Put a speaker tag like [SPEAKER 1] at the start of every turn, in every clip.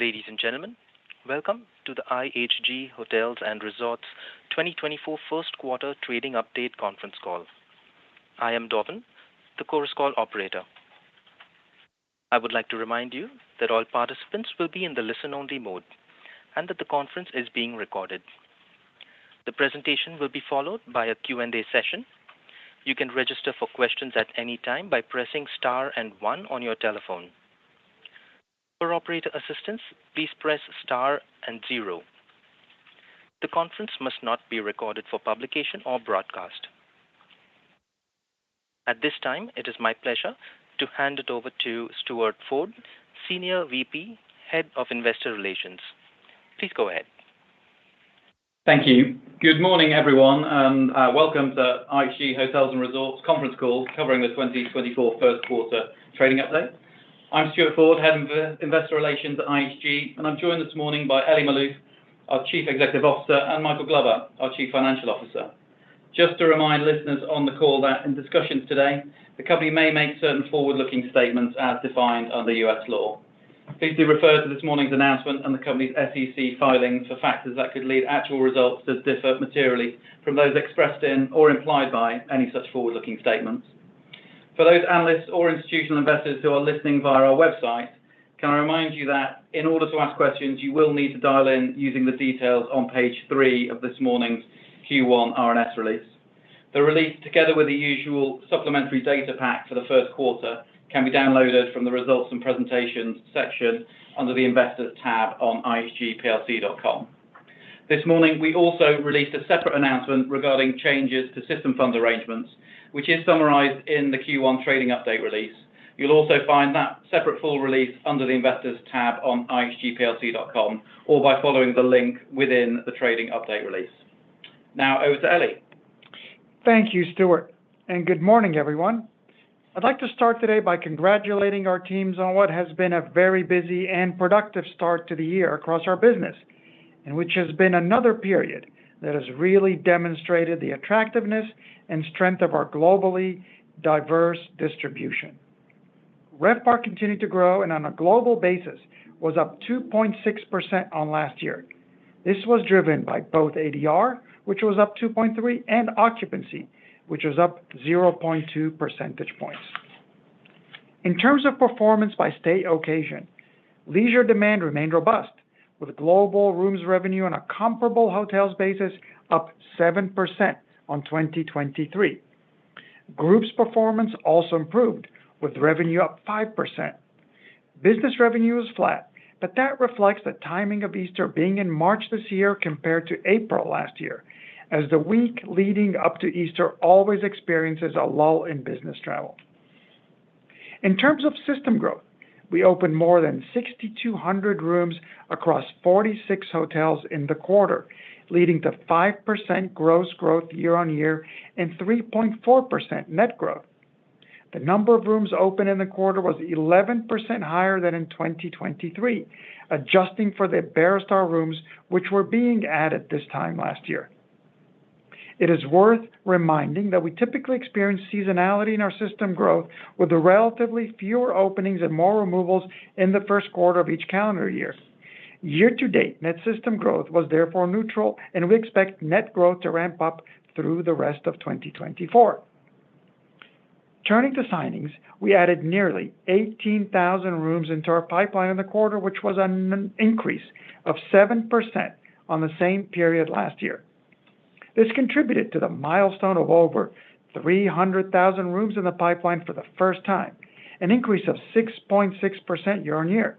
[SPEAKER 1] Ladies and gentlemen, welcome to the IHG Hotels and Resorts 2024 First Quarter Trading Update conference call. I am Dovan, the Chorus Call operator. I would like to remind you that all participants will be in the listen-only mode and that the conference is being recorded. The presentation will be followed by a Q&A session. You can register for questions at any time by pressing star and 1 on your telephone. For operator assistance, please press star and zero. The conference must not be recorded for publication or broadcast. At this time, it is my pleasure to hand it over to Stuart Ford, Senior VP, Head of Investor Relations. Please go ahead.
[SPEAKER 2] Thank you. Good morning, everyone, and welcome to the IHG Hotels & Resorts Conference Call covering the 2024 First Quarter Trading Update. I'm Stuart Ford, Head of Investor Relations at IHG, and I'm joined this morning by Elie Maalouf, our Chief Executive Officer, and Michael Glover, our Chief Financial Officer. Just to remind listeners on the call that in discussions today, the company may make certain forward-looking statements as defined under U.S. law. Please do refer to this morning's announcement and the company's SEC filing for factors that could lead actual results to differ materially from those expressed in or implied by any such forward-looking statements. For those analysts or institutional investors who are listening via our website, can I remind you that in order to ask questions, you will need to dial in using the details on page three of this morning's Q1 RNS release. The release, together with the usual supplementary data pack for the first quarter, can be downloaded from the Results and Presentations section under the Investors tab on ihgplc.com. This morning, we also released a separate announcement regarding changes to System Fund arrangements, which is summarized in the Q1 Trading Update release. You'll also find that separate full release under the Investors tab on ihgplc.com or by following the link within the Trading Update release. Now, over to Elie.
[SPEAKER 3] Thank you, Stuart, and good morning, everyone. I'd like to start today by congratulating our teams on what has been a very busy and productive start to the year across our business, and which has been another period that has really demonstrated the attractiveness and strength of our globally diverse distribution. RevPAR continued to grow and on a global basis was up 2.6% on last year. This was driven by both ADR, which was up 2.3%, and occupancy, which was up 0.2 percentage points. In terms of performance by segment, leisure demand remained robust, with global rooms revenue on a comparable hotels basis up 7% on 2023. Group performance also improved, with revenue up 5%. Business revenue was flat, but that reflects the timing of Easter being in March this year compared to April last year, as the week leading up to Easter always experiences a lull in business travel. In terms of system growth, we opened more than 6,200 rooms across 46 hotels in the quarter, leading to 5% gross growth year-over-year and 3.4% net growth. The number of rooms open in the quarter was 11% higher than in 2023, adjusting for the Iberostar rooms, which were being added this time last year. It is worth reminding that we typically experience seasonality in our system growth, with relatively fewer openings and more removals in the first quarter of each calendar year. Year to date, net system growth was therefore neutral, and we expect net growth to ramp up through the rest of 2024. Turning to signings, we added nearly 18,000 rooms into our pipeline in the quarter, which was an increase of 7% on the same period last year. This contributed to the milestone of over 300,000 rooms in the pipeline for the first time, an increase of 6.6% year-over-year.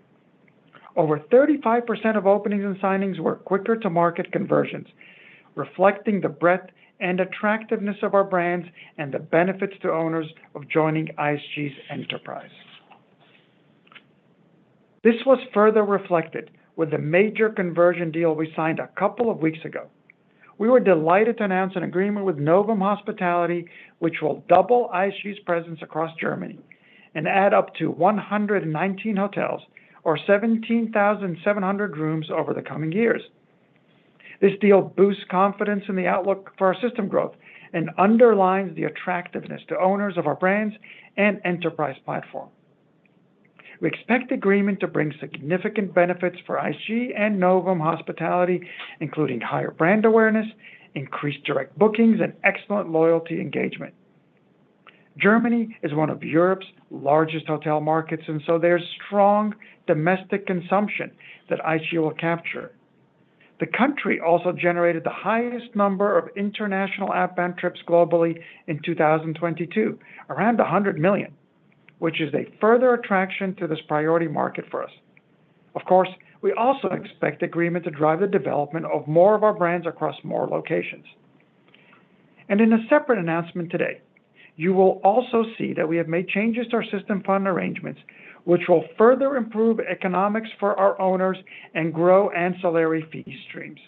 [SPEAKER 3] Over 35% of openings and signings were quicker-to-market conversions, reflecting the breadth and attractiveness of our brands and the benefits to owners of joining IHG's enterprise. This was further reflected with the major conversion deal we signed a couple of weeks ago. We were delighted to announce an agreement with Novum Hospitality, which will double IHG's presence across Germany and add up to 119 hotels, or 17,700 rooms, over the coming years. This deal boosts confidence in the outlook for our system growth and underlines the attractiveness to owners of our brands and enterprise platform. We expect the agreement to bring significant benefits for IHG and Novum Hospitality, including higher brand awareness, increased direct bookings, and excellent loyalty engagement. Germany is one of Europe's largest hotel markets, and so there's strong domestic consumption that IHG will capture. The country also generated the highest number of international outbound trips globally in 2022, around 100 million, which is a further attraction to this priority market for us. Of course, we also expect the agreement to drive the development of more of our brands across more locations. In a separate announcement today, you will also see that we have made changes to our System Fund arrangements, which will further improve economics for our owners and grow ancillary fee streams.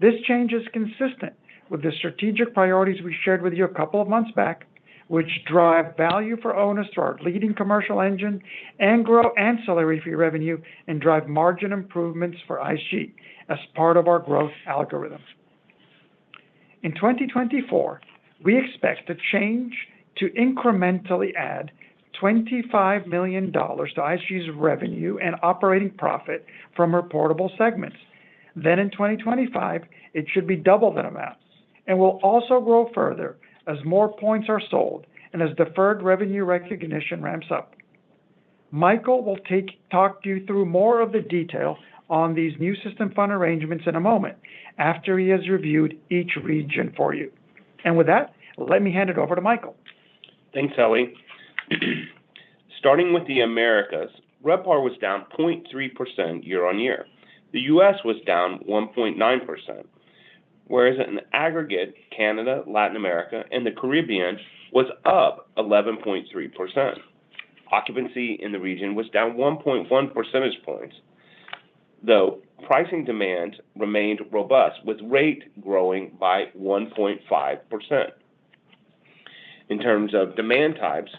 [SPEAKER 3] This change is consistent with the strategic priorities we shared with you a couple of months back, which drive value for owners through our leading commercial engine and grow ancillary fee revenue and drive margin improvements for IHG as part of our growth algorithms. In 2024, we expect to change to incrementally add $25 million to IHG's revenue and operating profit from reportable segments. Then in 2025, it should be double that amount and will also grow further as more points are sold and as deferred revenue recognition ramps up. Michael will talk you through more of the detail on these new System Fund arrangements in a moment after he has reviewed each region for you. With that, let me hand it over to Michael.
[SPEAKER 4] Thanks, Elie. Starting with the Americas, RevPAR was down 0.3% year-on-year. The U.S. was down 1.9%, whereas in aggregate, Canada, Latin America, and the Caribbean was up 11.3%. Occupancy in the region was down 1.1 percentage points, though pricing demand remained robust, with rate growing by 1.5%. In terms of demand types,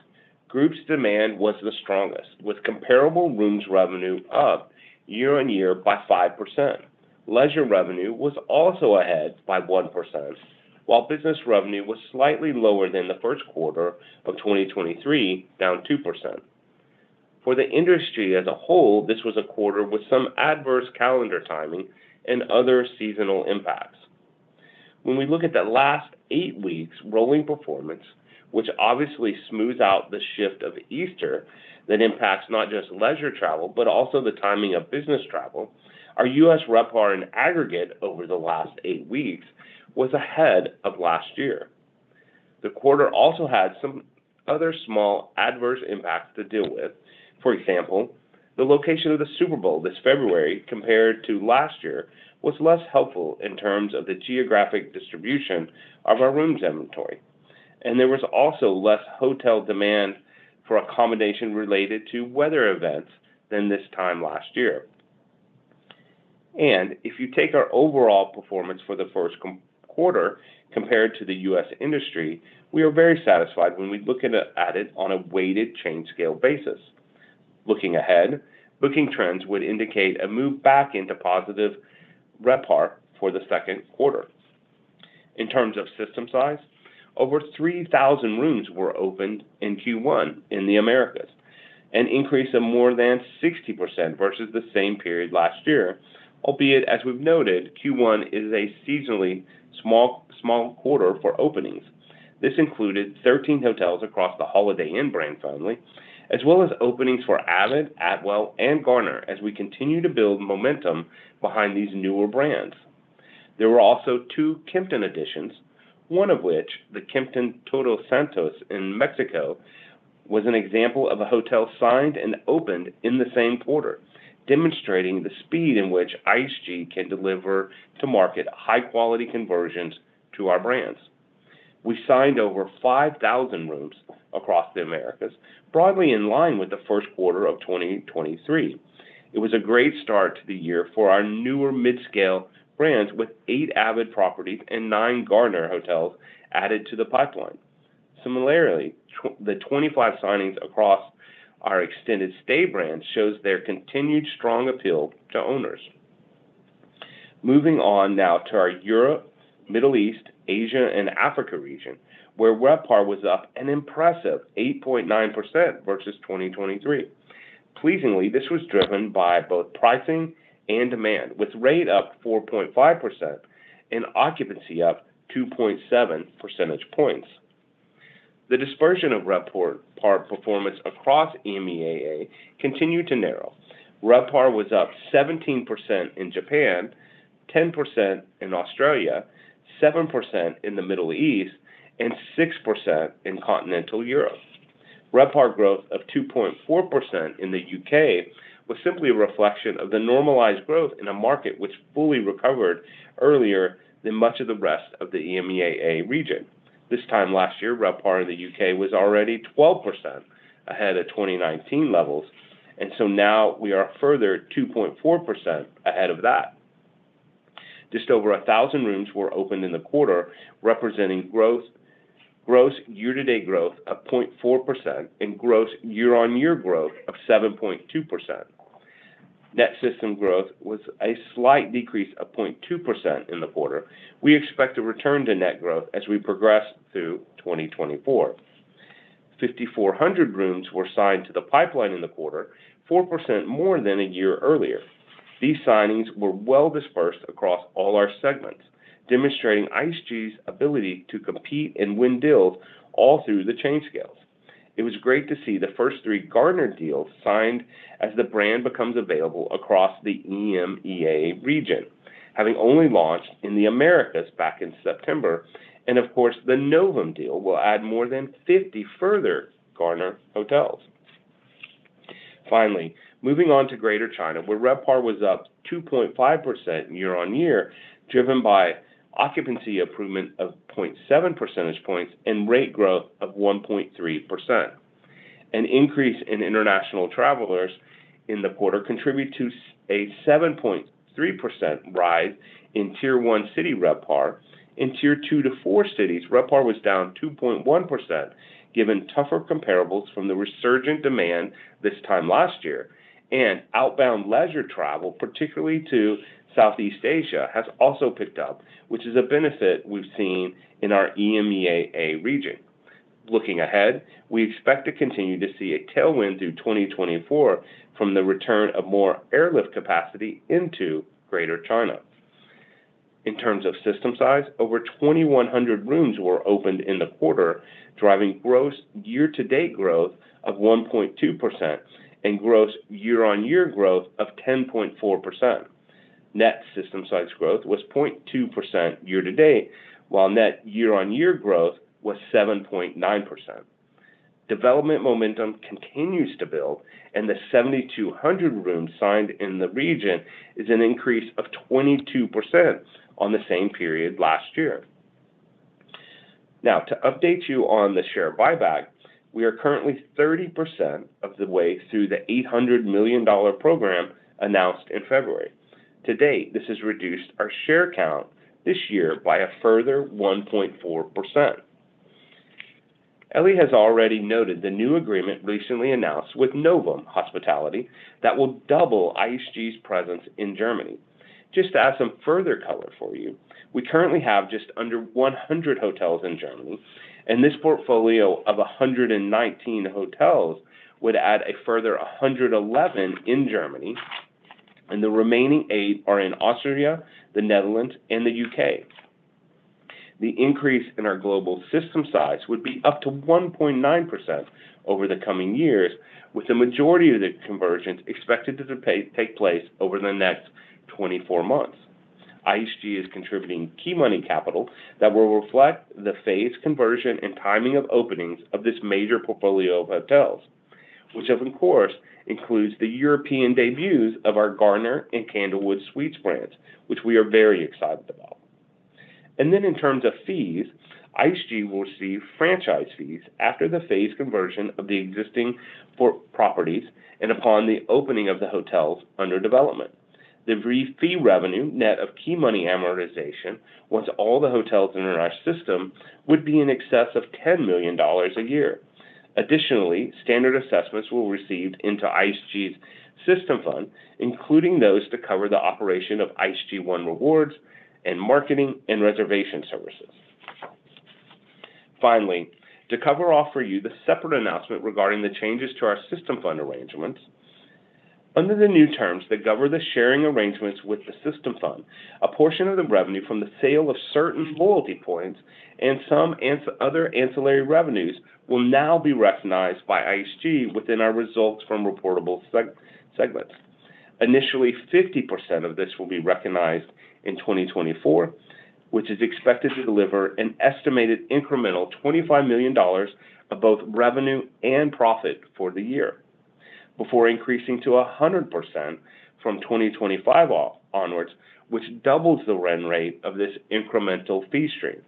[SPEAKER 4] groups demand was the strongest, with comparable rooms revenue up year-on-year by 5%. Leisure revenue was also ahead by 1%, while business revenue was slightly lower than the first quarter of 2023, down 2%. For the industry as a whole, this was a quarter with some adverse calendar timing and other seasonal impacts. When we look at the last eight weeks' rolling performance, which obviously smooths out the shift of Easter that impacts not just leisure travel but also the timing of business travel, our U.S. RevPAR in aggregate over the last eight weeks was ahead of last year. The quarter also had some other small adverse impacts to deal with. For example, the location of the Super Bowl this February compared to last year was less helpful in terms of the geographic distribution of our rooms inventory, and there was also less hotel demand for accommodation related to weather events than this time last year. And if you take our overall performance for the first quarter compared to the U.S. industry, we are very satisfied when we look at it on a weighted chain scale basis. Looking ahead, booking trends would indicate a move back into positive RevPAR for the second quarter. In terms of system size, over 3,000 rooms were opened in Q1 in the Americas, an increase of more than 60% versus the same period last year, albeit as we've noted, Q1 is a seasonally small quarter for openings. This included 13 hotels across the Holiday Inn brand family, as well as openings for Avid, Atwell, and Garner as we continue to build momentum behind these newer brands. There were also two Kimpton additions, one of which, the Kimpton Todos Santos in Mexico, was an example of a hotel signed and opened in the same quarter, demonstrating the speed in which IHG can deliver to market high-quality conversions to our brands. We signed over 5,000 rooms across the Americas, broadly in line with the first quarter of 2023. It was a great start to the year for our newer mid-scale brands with 8 avid properties and 9 Garner hotels added to the pipeline. Similarly, the 25 signings across our extended stay brands show their continued strong appeal to owners. Moving on now to our Europe, Middle East, Asia, and Africa region, where RevPAR was up an impressive 8.9% versus 2023. Pleasingly, this was driven by both pricing and demand, with rate up 4.5% and occupancy up 2.7 percentage points. The dispersion of RevPAR performance across EMEAA continued to narrow. RevPAR was up 17% in Japan, 10% in Australia, 7% in the Middle East, and 6% in continental Europe. RevPAR growth of 2.4% in the UK was simply a reflection of the normalized growth in a market which fully recovered earlier than much of the rest of the EMEAA region. This time last year, RevPAR in the U.K. was already 12% ahead of 2019 levels, and so now we are further 2.4% ahead of that. Just over 1,000 rooms were opened in the quarter, representing gross year-to-date growth of 0.4% and gross year-on-year growth of 7.2%. Net system growth was a slight decrease of 0.2% in the quarter. We expect a return to net growth as we progress through 2024. 5,400 rooms were signed to the pipeline in the quarter, 4% more than a year earlier. These signings were well dispersed across all our segments, demonstrating IHG's ability to compete and win deals all through the chain scales. It was great to see the first 3 Garner deals signed as the brand becomes available across the EMEAA region, having only launched in the Americas back in September, and of course, the Novum deal will add more than 50 further Garner hotels. Finally, moving on to Greater China, where RevPAR was up 2.5% year-on-year, driven by occupancy improvement of 0.7 percentage points and rate growth of 1.3%. An increase in international travelers in the quarter contributed to a 7.3% rise in Tier 1 city RevPAR. In Tier 2-4 cities, RevPAR was down 2.1%, given tougher comparables from the resurgent demand this time last year. And outbound leisure travel, particularly to Southeast Asia, has also picked up, which is a benefit we've seen in our EMEAA region. Looking ahead, we expect to continue to see a tailwind through 2024 from the return of more airlift capacity into Greater China. In terms of system size, over 2,100 rooms were opened in the quarter, driving gross year-to-date growth of 1.2% and gross year-on-year growth of 10.4%. Net system size growth was 0.2% year-to-date, while net year-on-year growth was 7.9%. Development momentum continues to build, and the 7,200 rooms signed in the region is an increase of 22% on the same period last year. Now, to update you on the share buyback, we are currently 30% of the way through the $800 million program announced in February. To date, this has reduced our share count this year by a further 1.4%. Elie has already noted the new agreement recently announced with Novum Hospitality that will double IHG's presence in Germany. Just to add some further color for you, we currently have just under 100 hotels in Germany, and this portfolio of 119 hotels would add a further 111 in Germany, and the remaining 8 are in Austria, the Netherlands, and the UK. The increase in our global system size would be up to 1.9% over the coming years, with the majority of the conversions expected to take place over the next 24 months. IHG is contributing key money capital that will reflect the phased conversion and timing of openings of this major portfolio of hotels, which of course includes the European debuts of our Garner and Candlewood Suites brands, which we are very excited about. Then in terms of fees, IHG will receive franchise fees after the phased conversion of the existing properties and upon the opening of the hotels under development. The fee revenue net of key money amortization, once all the hotels in our system, would be in excess of $10 million a year. Additionally, standard assessments will be received into IHG's System Fund, including those to cover the operation of IHG One Rewards and marketing and reservation services. Finally, to cover off for you the separate announcement regarding the changes to our System Fund arrangements. Under the new terms that govern the sharing arrangements with the System Fund, a portion of the revenue from the sale of certain loyalty points and some other ancillary revenues will now be recognized by IHG within our results from reportable segments. Initially, 50% of this will be recognized in 2024, which is expected to deliver an estimated incremental $25 million of both revenue and profit for the year, before increasing to 100% from 2025 onwards, which doubles the run rate of this incremental fee stream.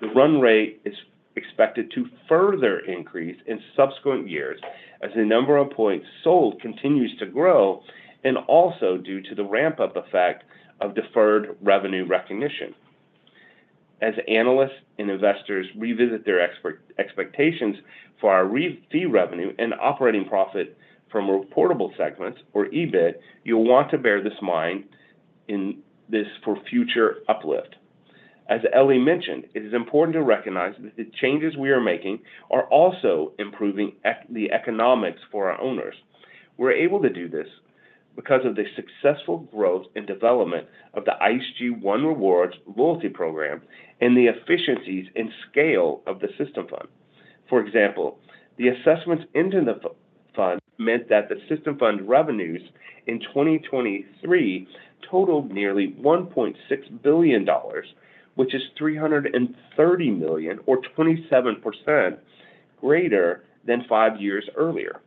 [SPEAKER 4] The run rate is expected to further increase in subsequent years as the number of points sold continues to grow, and also due to the ramp-up effect of deferred revenue recognition. As analysts and investors revisit their expectations for our fee revenue and operating profit from reportable segments, or EBIT, you'll want to bear this mind for future uplift. As Elie mentioned, it is important to recognize that the changes we are making are also improving the economics for our owners. We're able to do this because of the successful growth and development of the IHG One Rewards loyalty program and the efficiencies and scale of the System Fund. For example, the assessments into the fund meant that the System Fund revenues in 2023 totaled nearly $1.6 billion, which is $330 million or 27% greater than five years earlier.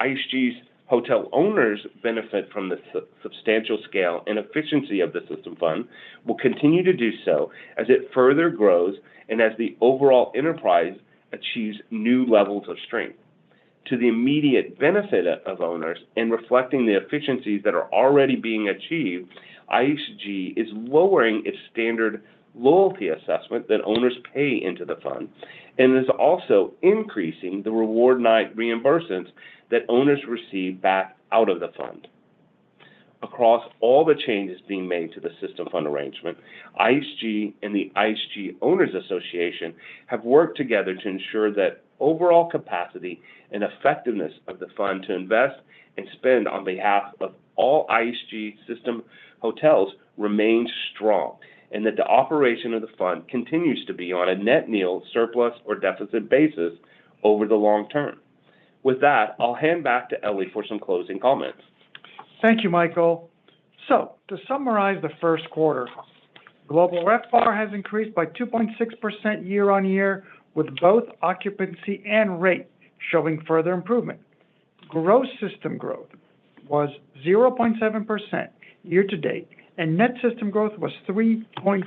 [SPEAKER 4] IHG's hotel owners benefit from the substantial scale and efficiency of the System Fund, will continue to do so as it further grows and as the overall enterprise achieves new levels of strength. To the immediate benefit of owners and reflecting the efficiencies that are already being achieved, IHG is lowering its standard loyalty assessment that owners pay into the fund, and is also increasing the reward night reimbursements that owners receive back out of the fund. Across all the changes being made to the System Fund arrangement, IHG and the IHG Owners Association have worked together to ensure that overall capacity and effectiveness of the fund to invest and spend on behalf of all IHG system hotels remains strong, and that the operation of the fund continues to be on a net yield, surplus, or deficit basis over the long term. With that, I'll hand back to Elie for some closing comments.
[SPEAKER 3] Thank you, Michael. To summarize the first quarter, global RevPAR has increased by 2.6% year-over-year, with both occupancy and rate showing further improvement. Gross system growth was 0.7% year-to-date, and net system growth was 3.4%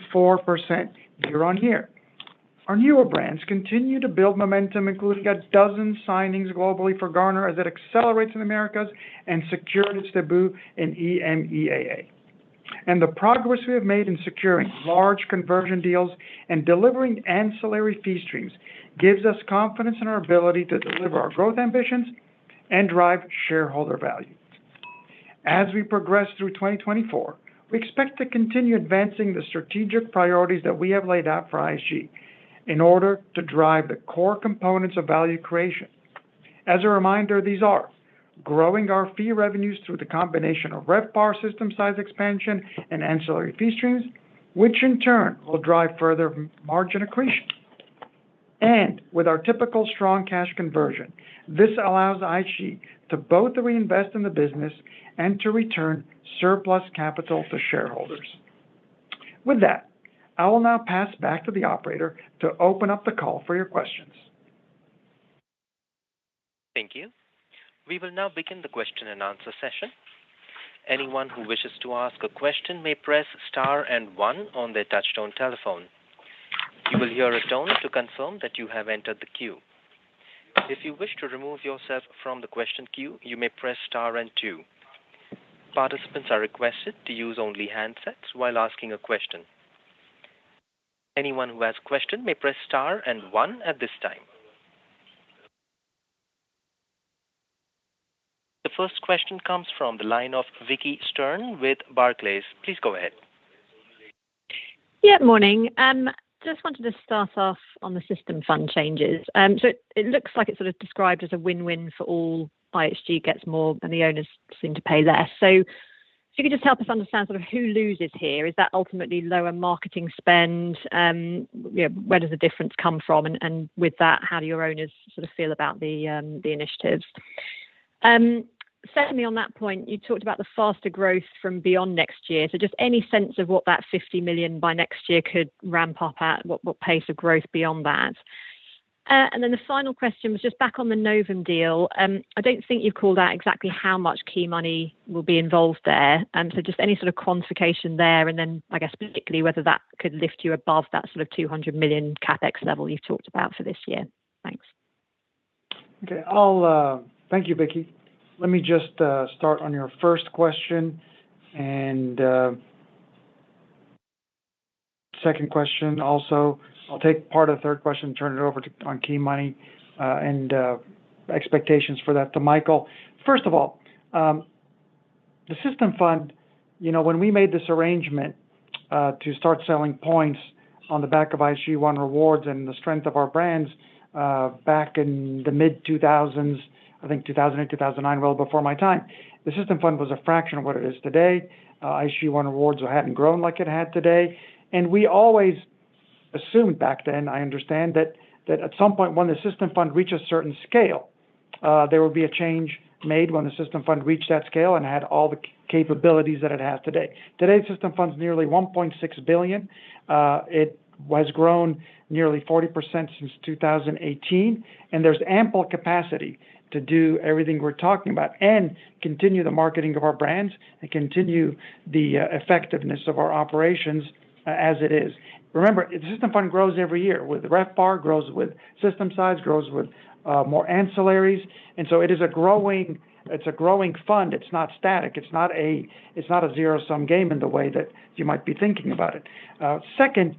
[SPEAKER 3] year-over-year. Our newer brands continue to build momentum, including a dozen signings globally for Garner as it accelerates in the Americas and secures its debut in EMEAA. The progress we have made in securing large conversion deals and delivering ancillary fee streams gives us confidence in our ability to deliver our growth ambitions and drive shareholder value. As we progress through 2024, we expect to continue advancing the strategic priorities that we have laid out for IHG in order to drive the core components of value creation. As a reminder, these are: growing our fee revenues through the combination of RevPAR system size expansion and ancillary fee streams, which in turn will drive further margin accretion. With our typical strong cash conversion, this allows IHG to both reinvest in the business and to return surplus capital to shareholders. With that, I will now pass back to the operator to open up the call for your questions.
[SPEAKER 1] Thank you. We will now begin the question and answer session. Anyone who wishes to ask a question may press star and one on their touch-tone telephone. You will hear a tone to confirm that you have entered the queue. If you wish to remove yourself from the question queue, you may press star and two. Participants are requested to use only handsets while asking a question. Anyone who has a question may press star and one at this time. The first question comes from the line of Vicki Stern with Barclays. Please go ahead.
[SPEAKER 5] Yeah, morning. Just wanted to start off on the System Fund changes. So it looks like it's sort of described as a win-win for all. IHG gets more and the owners seem to pay less. So if you could just help us understand sort of who loses here, is that ultimately lower marketing spend? Where does the difference come from? With that, how do your owners sort of feel about the initiatives? Certainly on that point, you talked about the faster growth from beyond next year. So just any sense of what that $50 million by next year could ramp up at, what pace of growth beyond that? And then the final question was just back on the Novum deal. I don't think you've called out exactly how much key money will be involved there. So just any sort of quantification there and then, I guess, particularly whether that could lift you above that sort of $200 million CapEx level you've talked about for this year. Thanks.
[SPEAKER 3] Okay. Thank you, Vicki. Let me just start on your first question. Second question also. I'll take part of the third question and turn it over on key money and expectations for that to Michael. First of all, the System Fund, when we made this arrangement to start selling points on the back of IHG One Rewards and the strength of our brands back in the mid-2000s, I think 2008, 2009, well before my time, the System Fund was a fraction of what it is today. IHG One Rewards hadn't grown like it had today. We always assumed back then, I understand, that at some point when the System Fund reached a certain scale, there would be a change made when the System Fund reached that scale and had all the capabilities that it has today. Today's System Fund's nearly $1.6 billion. It has grown nearly 40% since 2018. There's ample capacity to do everything we're talking about and continue the marketing of our brands and continue the effectiveness of our operations as it is. Remember, the System Fund grows every year with RevPAR, grows with system size, grows with more ancillaries. And so it's a growing fund. It's not static. It's not a zero-sum game in the way that you might be thinking about it. Second,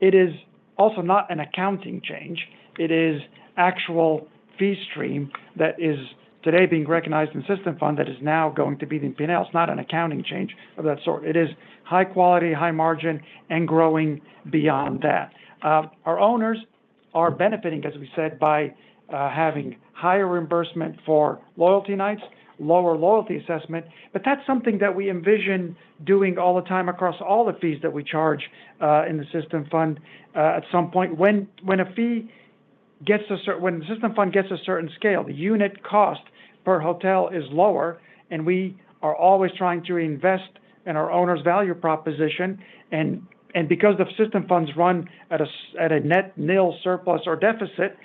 [SPEAKER 3] it is also not an accounting change. It is actual fee stream that is today being recognized in the System Fund that is now going to be the NP&L. It's not an accounting change of that sort. It is high quality, high margin, and growing beyond that. Our owners are benefiting, as we said, by having higher reimbursement for loyalty nights, lower loyalty assessment. But that's something that we envision doing all the time across all the fees that we charge in the System Fund at some point. When the System Fund gets a certain scale, the unit cost per hotel is lower. And we are always trying to reinvest in our owners' value proposition. And because the System Funds run at a net nil, surplus, or deficit,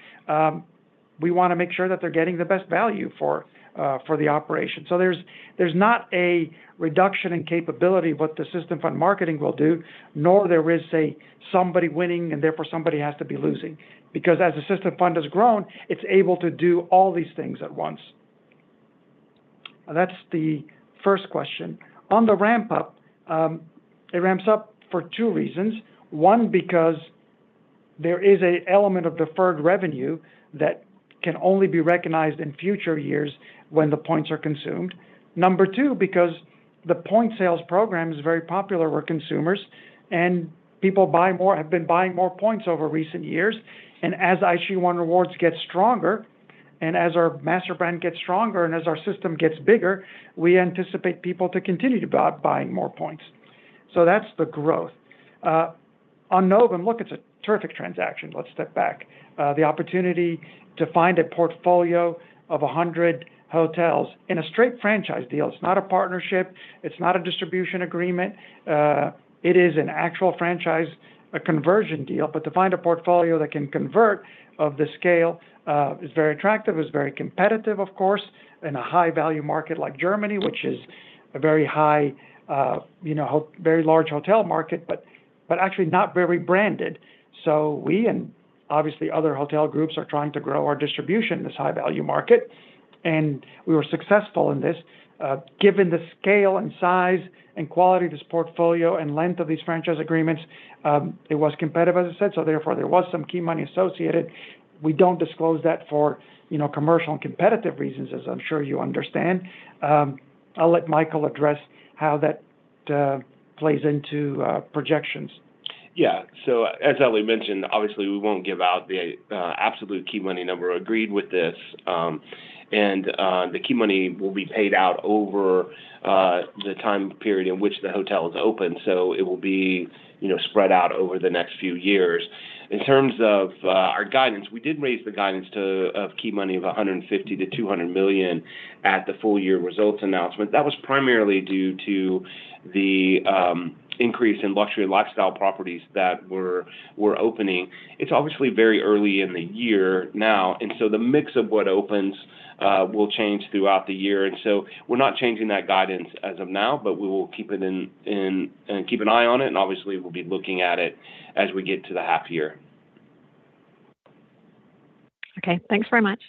[SPEAKER 3] we want to make sure that they're getting the best value for the operation. So there's not a reduction in capability of what the System Fund marketing will do, nor there is, say, somebody winning and therefore somebody has to be losing. Because as the System Fund has grown, it's able to do all these things at once. That's the first question. On the ramp-up, it ramps up for two reasons. One, because there is an element of deferred revenue that can only be recognized in future years when the points are consumed. Number two, because the point sales program is very popular with consumers. And people have been buying more points over recent years. And as IHG One Rewards gets stronger and as our master brand gets stronger and as our system gets bigger, we anticipate people to continue to buy more points. So that's the growth. On Novum, look, it's a terrific transaction. Let's step back. The opportunity to find a portfolio of 100 hotels in a straight franchise deal. It's not a partnership. It's not a distribution agreement. It is an actual franchise conversion deal. But to find a portfolio that can convert of the scale is very attractive. It's very competitive, of course, in a high-value market like Germany, which is a very large hotel market, but actually not very branded. So we and obviously other hotel groups are trying to grow our distribution in this high-value market. We were successful in this. Given the scale and size and quality of this portfolio and length of these franchise agreements, it was competitive, as I said. So therefore, there was some key money associated. We don't disclose that for commercial and competitive reasons, as I'm sure you understand. I'll let Michael address how that plays into projections.
[SPEAKER 4] Yeah. So as Elie mentioned, obviously, we won't give out the absolute key money number. Agreed with this. And the key money will be paid out over the time period in which the hotel is open. So it will be spread out over the next few years. In terms of our guidance, we did raise the guidance of key money of 150-200 million at the full-year results announcement. That was primarily due to the increase in luxury lifestyle properties that we're opening. It's obviously very early in the year now. And so the mix of what opens will change throughout the year. And so we're not changing that guidance as of now, but we will keep an eye on it. And obviously, we'll be looking at it as we get to the half-year.
[SPEAKER 5] Okay. Thanks very much.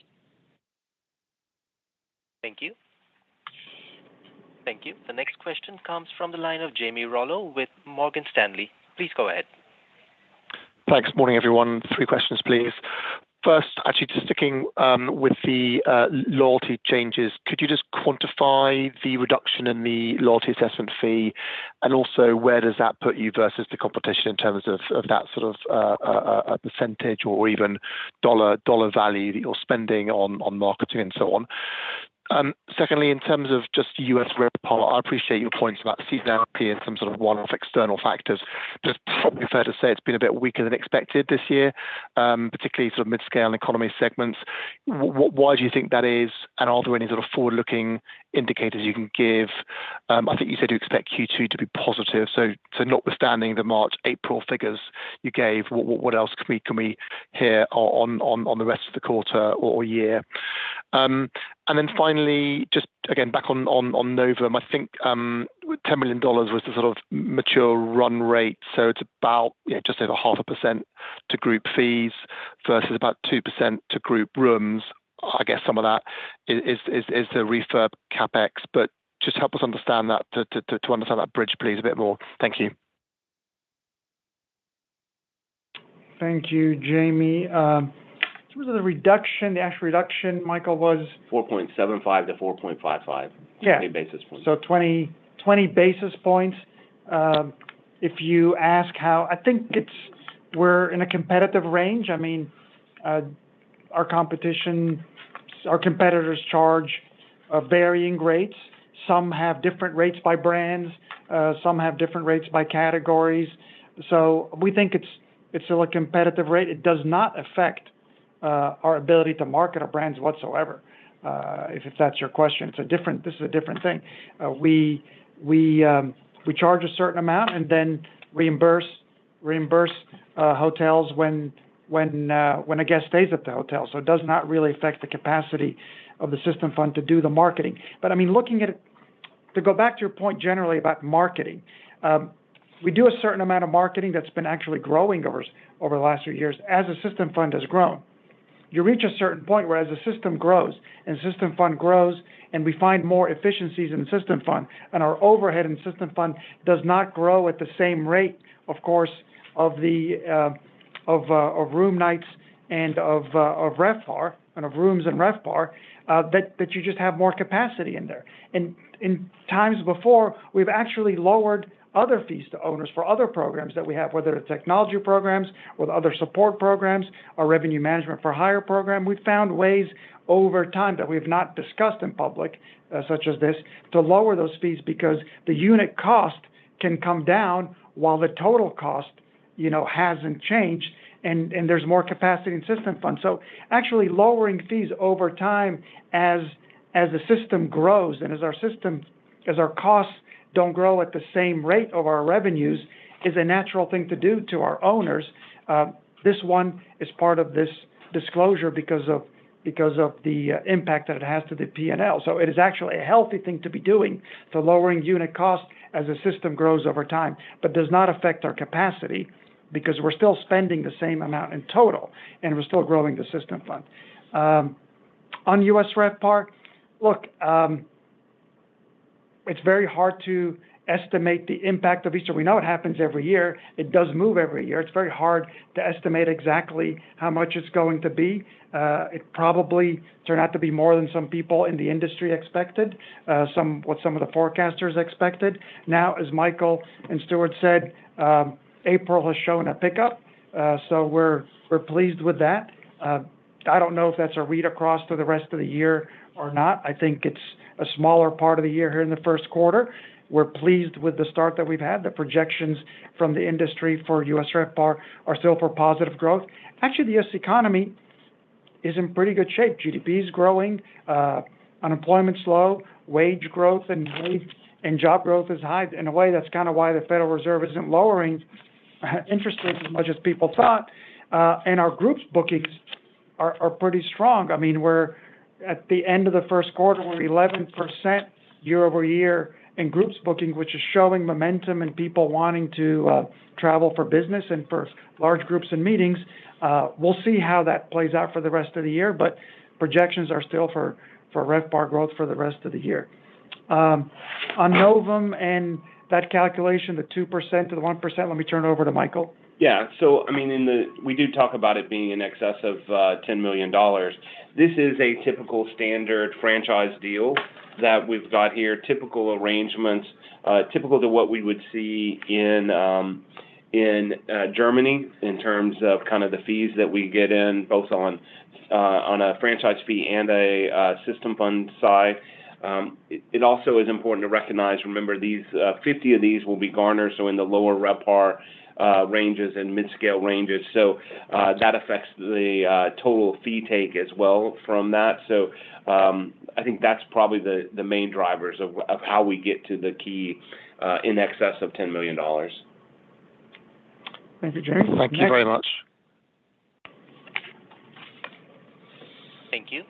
[SPEAKER 1] Thank you. Thank you. The next question comes from the line of Jamie Rollo with Morgan Stanley. Please go ahead.
[SPEAKER 6] Thanks. Morning, everyone. Three questions, please. First, actually just sticking with the loyalty changes, could you just quantify the reduction in the loyalty assessment fee? And also, where does that put you versus the competition in terms of that sort of percentage or even dollar value that you're spending on marketing and so on? Secondly, in terms of just U.S. RevPAR, I appreciate your points about seasonality and some sort of one-off external factors. But it's probably fair to say it's been a bit weaker than expected this year, particularly sort of mid-scale and economy segments. Why do you think that is? And are there any sort of forward-looking indicators you can give? I think you said you expect Q2 to be positive. So notwithstanding the March, April figures you gave, what else can we hear on the rest of the quarter or year? And then finally, just again, back on Novum, I think $10 million was the sort of mature run rate. So it's about just over 0.5% to group fees versus about 2% to group rooms. I guess some of that is the refurb CapEx. But just help us understand that, to understand that bridge, please, a bit more. Thank you.
[SPEAKER 3] Thank you, Jamie. In terms of the actual reduction, Michael, was? 4.75-4.55. Yeah. 20 basis points. So 20 basis points. If you ask how I think we're in a competitive range. I mean, our competitors charge varying rates. Some have different rates by brands. Some have different rates by categories. So we think it's still a competitive rate. It does not affect our ability to market our brands whatsoever, if that's your question. This is a different thing. We charge a certain amount and then reimburse hotels when a guest stays at the hotel. So it does not really affect the capacity of the System Fund to do the marketing. But I mean, looking at it to go back to your point generally about marketing, we do a certain amount of marketing that's been actually growing over the last few years as the System Fund has grown. You reach a certain point whereas the system grows and the System Fund grows and we find more efficiencies in the System Fund. And our overhead in the System Fund does not grow at the same rate, of course, of room nights and of RevPAR and of rooms in RevPAR, that you just have more capacity in there. And in times before, we've actually lowered other fees to owners for other programs that we have, whether it's technology programs or other support programs, our Revenue Management for Hire program. We've found ways over time that we have not discussed in public such as this to lower those fees because the unit cost can come down while the total cost hasn't changed and there's more capacity in the System Fund. So actually lowering fees over time as the system grows and as our costs don't grow at the same rate of our revenues is a natural thing to do to our owners. This one is part of this disclosure because of the impact that it has to the P&L. So it is actually a healthy thing to be doing, the lowering unit cost as the system grows over time, but does not affect our capacity because we're still spending the same amount in total and we're still growing the System Fund. On U.S. RevPAR, look, it's very hard to estimate the impact of Easter; we know it happens every year. It does move every year. It's very hard to estimate exactly how much it's going to be. It probably turned out to be more than some people in the industry expected, what some of the forecasters expected. Now, as Michael and Stuart said, April has shown a pickup. So we're pleased with that. I don't know if that's a read across to the rest of the year or not. I think it's a smaller part of the year here in the first quarter. We're pleased with the start that we've had. The projections from the industry for U.S. RevPAR are still for positive growth. Actually, the U.S. economy is in pretty good shape. GDP's growing. Unemployment's low. Wage growth and job growth is high. In a way, that's kind of why the Federal Reserve isn't lowering interest rates as much as people thought. And our groups bookings are pretty strong. I mean, at the end of the first quarter, we're 11% year-over-year in groups booking, which is showing momentum and people wanting to travel for business and for large groups and meetings. We'll see how that plays out for the rest of the year. But projections are still for RevPAR growth for the rest of the year. On Novum and that calculation, the 2%-1%, let me turn it over to Michael.
[SPEAKER 4] Yeah. So I mean, we do talk about it being in excess of $10 million. This is a typical standard franchise deal that we've got here, typical arrangements, typical to what we would see in Germany in terms of kind of the fees that we get in, both on a franchise fee and a System Fund side. It also is important to recognize, remember, 50 of these will be Garners so in the lower RevPAR ranges and mid-scale ranges. So that affects the total fee take as well from that. So I think that's probably the main drivers of how we get to the key in excess of $10 million.
[SPEAKER 6] Thank you very much.
[SPEAKER 1] Thank you.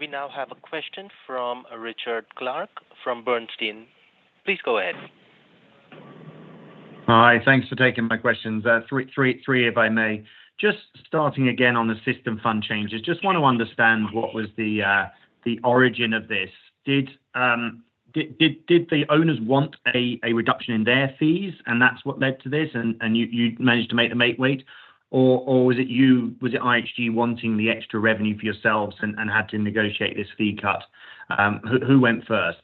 [SPEAKER 1] We now have a question from Richard Clarke from Bernstein. Please go ahead.
[SPEAKER 7] Hi. Thanks for taking my questions. Three, if I may. Just starting again on the System Fund changes, just want to understand what was the origin of this. Did the owners want a reduction in their fees and that's what led to this and you managed to make the makeweight, or was it IHG wanting the extra revenue for yourselves and had to negotiate this fee cut? Who went first?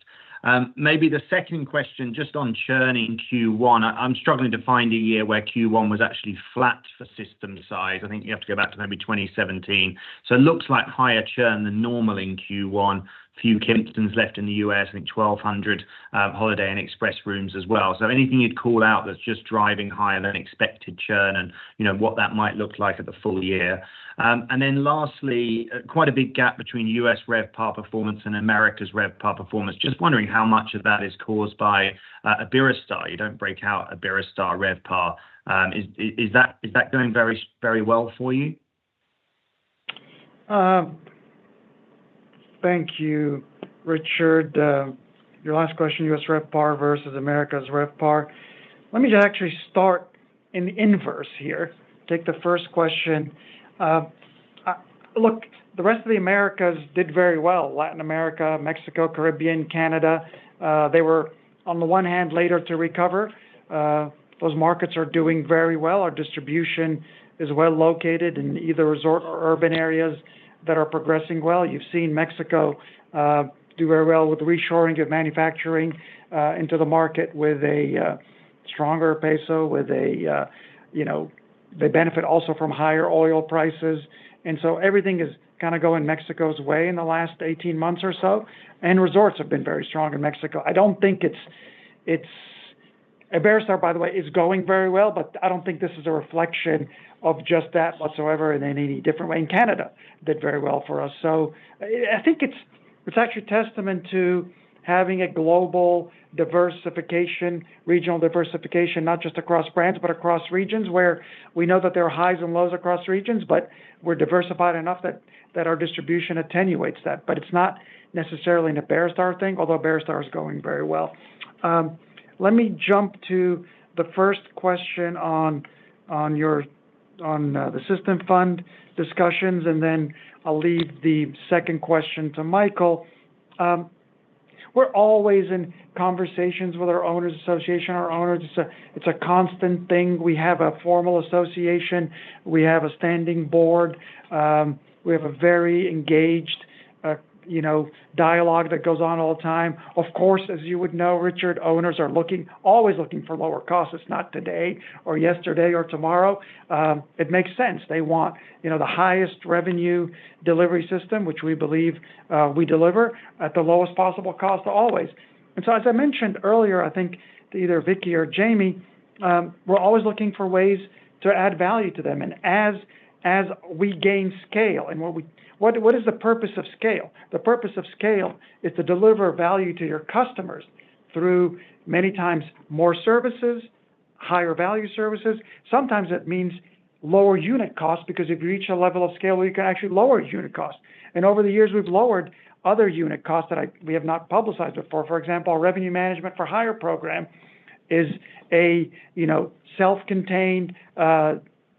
[SPEAKER 7] Maybe the second question, just on churn in Q1. I'm struggling to find a year where Q1 was actually flat for system size. I think you have to go back to maybe 2017. So it looks like higher churn than normal in Q1. Few Kimptons left in the U.S. I think 1,200 Holiday and Express rooms as well. So anything you'd call out that's just driving higher than expected churn and what that might look like at the full year. And then lastly, quite a big gap between U.S. RevPAR performance and Americas RevPAR performance. Just wondering how much of that is caused by a Iberostar. You don't break out a Iberostar RevPAR. Is that going very well for you?
[SPEAKER 3] Thank you, Richard. Your last question, U.S. RevPAR versus Americas RevPAR. Let me actually start in the inverse here. Take the first question. Look, the rest of the Americas did very well: Latin America, Mexico, Caribbean, Canada. They were, on the one hand, later to recover. Those markets are doing very well. Our distribution is well located in either resort or urban areas that are progressing well. You've seen Mexico do very well with reshoring of manufacturing into the market with a stronger peso, and they benefit also from higher oil prices. So everything is kind of going Mexico's way in the last 18 months or so. Resorts have been very strong in Mexico. I don't think it's Iberostar, by the way. It's going very well, but I don't think this is a reflection of just that whatsoever in any different way. Canada did very well for us. So I think it's actually a testament to having a global diversification, regional diversification, not just across brands but across regions where we know that there are highs and lows across regions, but we're diversified enough that our distribution attenuates that. But it's not necessarily an Iberostar thing, although Iberostar is going very well. Let me jump to the first question on the System Fund discussions, and then I'll leave the second question to Michael. We're always in conversations with our owners' association. Our owners, it's a constant thing. We have a formal association. We have a standing board. We have a very engaged dialogue that goes on all the time. Of course, as you would know, Richard, owners are always looking for lower costs. It's not today or yesterday or tomorrow. It makes sense. They want the highest revenue delivery system, which we believe we deliver, at the lowest possible cost always. And so, as I mentioned earlier, I think either Vicky or Jamie, we're always looking for ways to add value to them. And as we gain scale and what is the purpose of scale? The purpose of scale is to deliver value to your customers through many times more services, higher-value services. Sometimes it means lower unit costs because if you reach a level of scale, you can actually lower unit costs. Over the years, we've lowered other unit costs that we have not publicized before. For example, our Revenue Management for Hire program is a self-contained,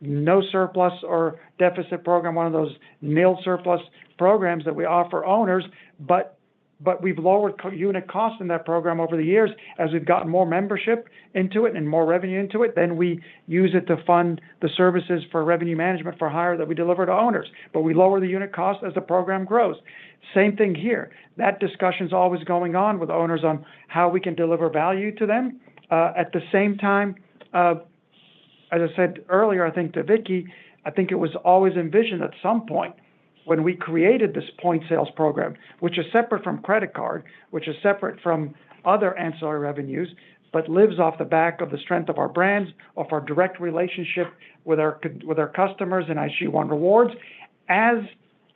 [SPEAKER 3] no surplus or deficit program, one of those nil surplus programs that we offer owners. We've lowered unit costs in that program over the years as we've gotten more membership into it and more revenue into it. Then we use it to fund the services for Revenue Management for Hire that we deliver to owners. We lower the unit costs as the program grows. Same thing here. That discussion's always going on with owners on how we can deliver value to them. At the same time, as I said earlier, I think to Vicky, I think it was always envisioned at some point when we created this point sales program, which is separate from credit card, which is separate from other ancillary revenues, but lives off the back of the strength of our brands, of our direct relationship with our customers and IHG One Rewards. As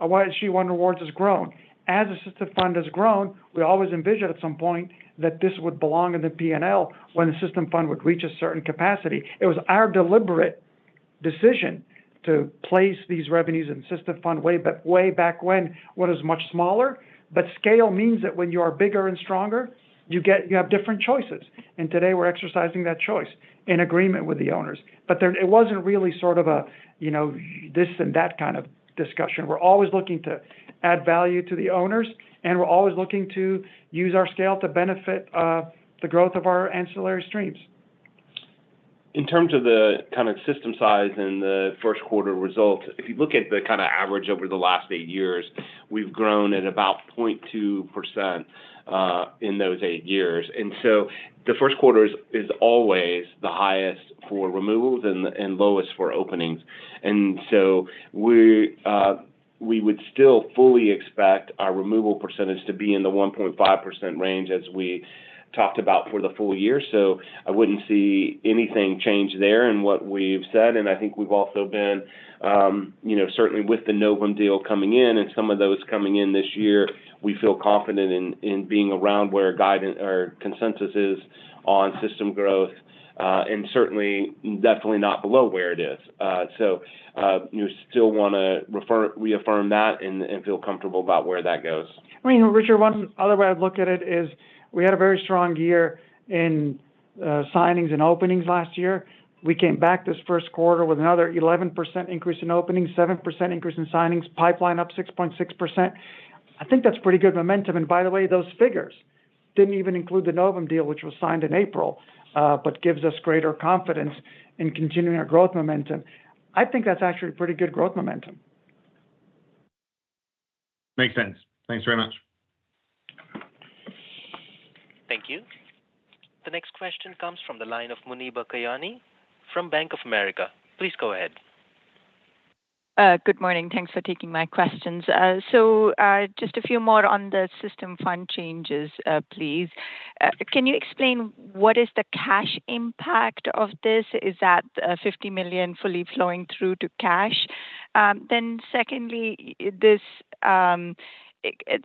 [SPEAKER 3] IHG One Rewards has grown, as the System Fund has grown, we always envisioned at some point that this would belong in the P&L when the System Fund would reach a certain capacity. It was our deliberate decision to place these revenues in the System Fund way back when when it was much smaller. But scale means that when you are bigger and stronger, you have different choices. And today, we're exercising that choice in agreement with the owners. But it wasn't really sort of a this and that kind of discussion. We're always looking to add value to the owners, and we're always looking to use our scale to benefit the growth of our ancillary streams.
[SPEAKER 4] In terms of the kind of system size and the first-quarter results, if you look at the kind of average over the last eight years, we've grown at about 0.2% in those eight years. And so the first quarter is always the highest for removals and lowest for openings. And so we would still fully expect our removal percentage to be in the 1.5% range as we talked about for the full year. So I wouldn't see anything change there in what we've said. I think we've also been certainly with the Novum deal coming in and some of those coming in this year. We feel confident in being around where our consensus is on system growth and certainly not below where it is. We still want to reaffirm that and feel comfortable about where that goes.
[SPEAKER 3] I mean, Richard, one other way I'd look at it is we had a very strong year in signings and openings last year. We came back this first quarter with another 11% increase in openings, 7% increase in signings, pipeline up 6.6%. I think that's pretty good momentum. By the way, those figures didn't even include the Novum deal, which was signed in April, but gives us greater confidence in continuing our growth momentum. I think that's actually pretty good growth momentum.
[SPEAKER 7] Makes sense. Thanks very much. Thank you.
[SPEAKER 1] The next question comes from the line of Muneeba Kayani from Bank of America. Please go ahead.
[SPEAKER 8] Good morning. Thanks for taking my questions. So just a few more on the System Fund changes, please. Can you explain what is the cash impact of this? Is that 50 million fully flowing through to cash? Then secondly,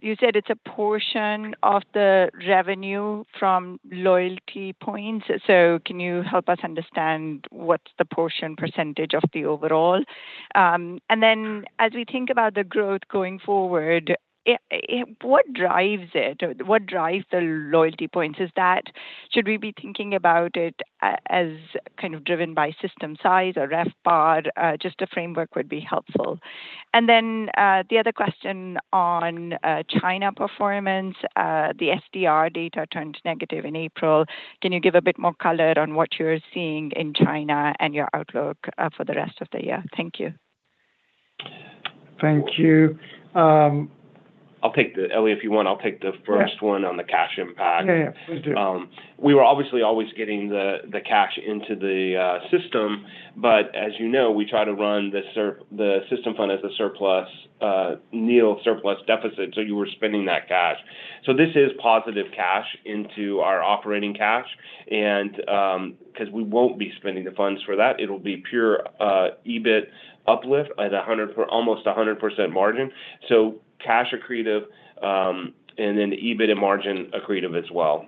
[SPEAKER 8] you said it's a portion of the revenue from loyalty points. So can you help us understand what's the portion percentage of the overall? And then as we think about the growth going forward, what drives it or what drives the loyalty points? Should we be thinking about it as kind of driven by system size or RevPAR? Just a framework would be helpful. And then the other question on China performance. The STR data turned negative in April. Can you give a bit more color on what you're seeing in China and your outlook for the rest of the year? Thank you. Thank you. I'll take that, Elie, if you want, I'll take the first one on the cash impact.
[SPEAKER 3] Yeah, yeah. Please do. We were obviously always getting the cash into the system. But as you know, we try to run the System Fund as a surplus, nil surplus deficit. So you were spending that cash. So this is positive cash into our operating cash because we won't be spending the funds for that. It'll be pure EBIT uplift at almost 100% margin. So cash accretive and then EBIT and margin accretive as well.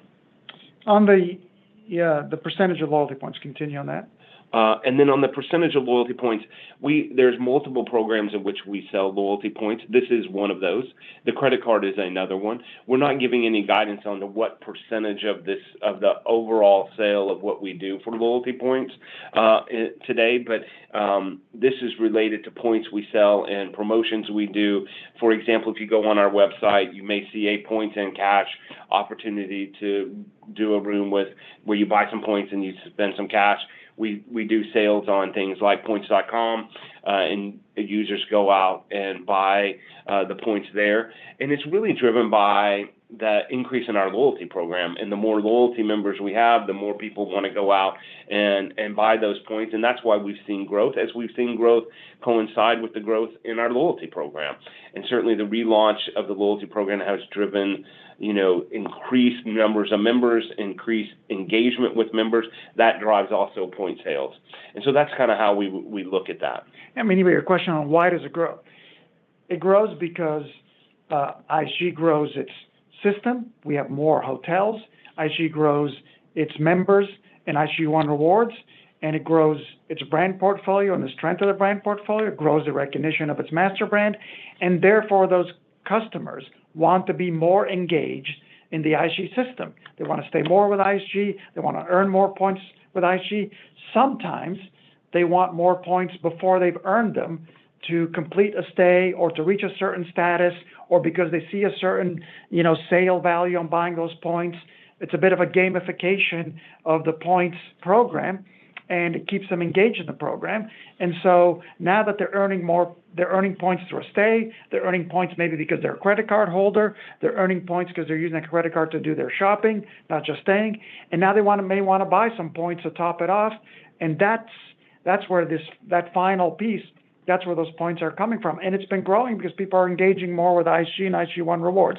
[SPEAKER 3] Yeah. The percentage of loyalty points. Continue on that.
[SPEAKER 4] And then on the percentage of loyalty points, there's multiple programs in which we sell loyalty points. This is one of those. The credit card is another one. We're not giving any guidance on what percentage of the overall sale of what we do for loyalty points today, but this is related to points we sell and promotions we do. For example, if you go on our website, you may see a points and cash opportunity to do a room where you buy some points and you spend some cash. We do sales on things like Points.com, and users go out and buy the points there. And it's really driven by the increase in our loyalty program. And the more loyalty members we have, the more people want to go out and buy those points. And that's why we've seen growth as we've seen growth coincide with the growth in our loyalty program. And certainly, the relaunch of the loyalty program has driven increased numbers of members, increased engagement with members. That drives also point sales. And so that's kind of how we look at that.
[SPEAKER 3] Yeah. I mean, anyway, your question on why does it grow? It grows because IHG grows its system. We have more hotels. IHG grows its members and IHG One Rewards. And it grows its brand portfolio and the strength of the brand portfolio. It grows the recognition of its master brand. And therefore, those customers want to be more engaged in the IHG system. They want to stay more with IHG. They want to earn more points with IHG. Sometimes, they want more points before they've earned them to complete a stay or to reach a certain status or because they see a certain sale value on buying those points. It's a bit of a gamification of the points program, and it keeps them engaged in the program. And so now that they're earning points through a stay, they're earning points maybe because they're a credit card holder. They're earning points because they're using a credit card to do their shopping, not just staying. And now they may want to buy some points to top it off. And that's where that final piece, that's where those points are coming from. And it's been growing because people are engaging more with IHG and IHG One Rewards.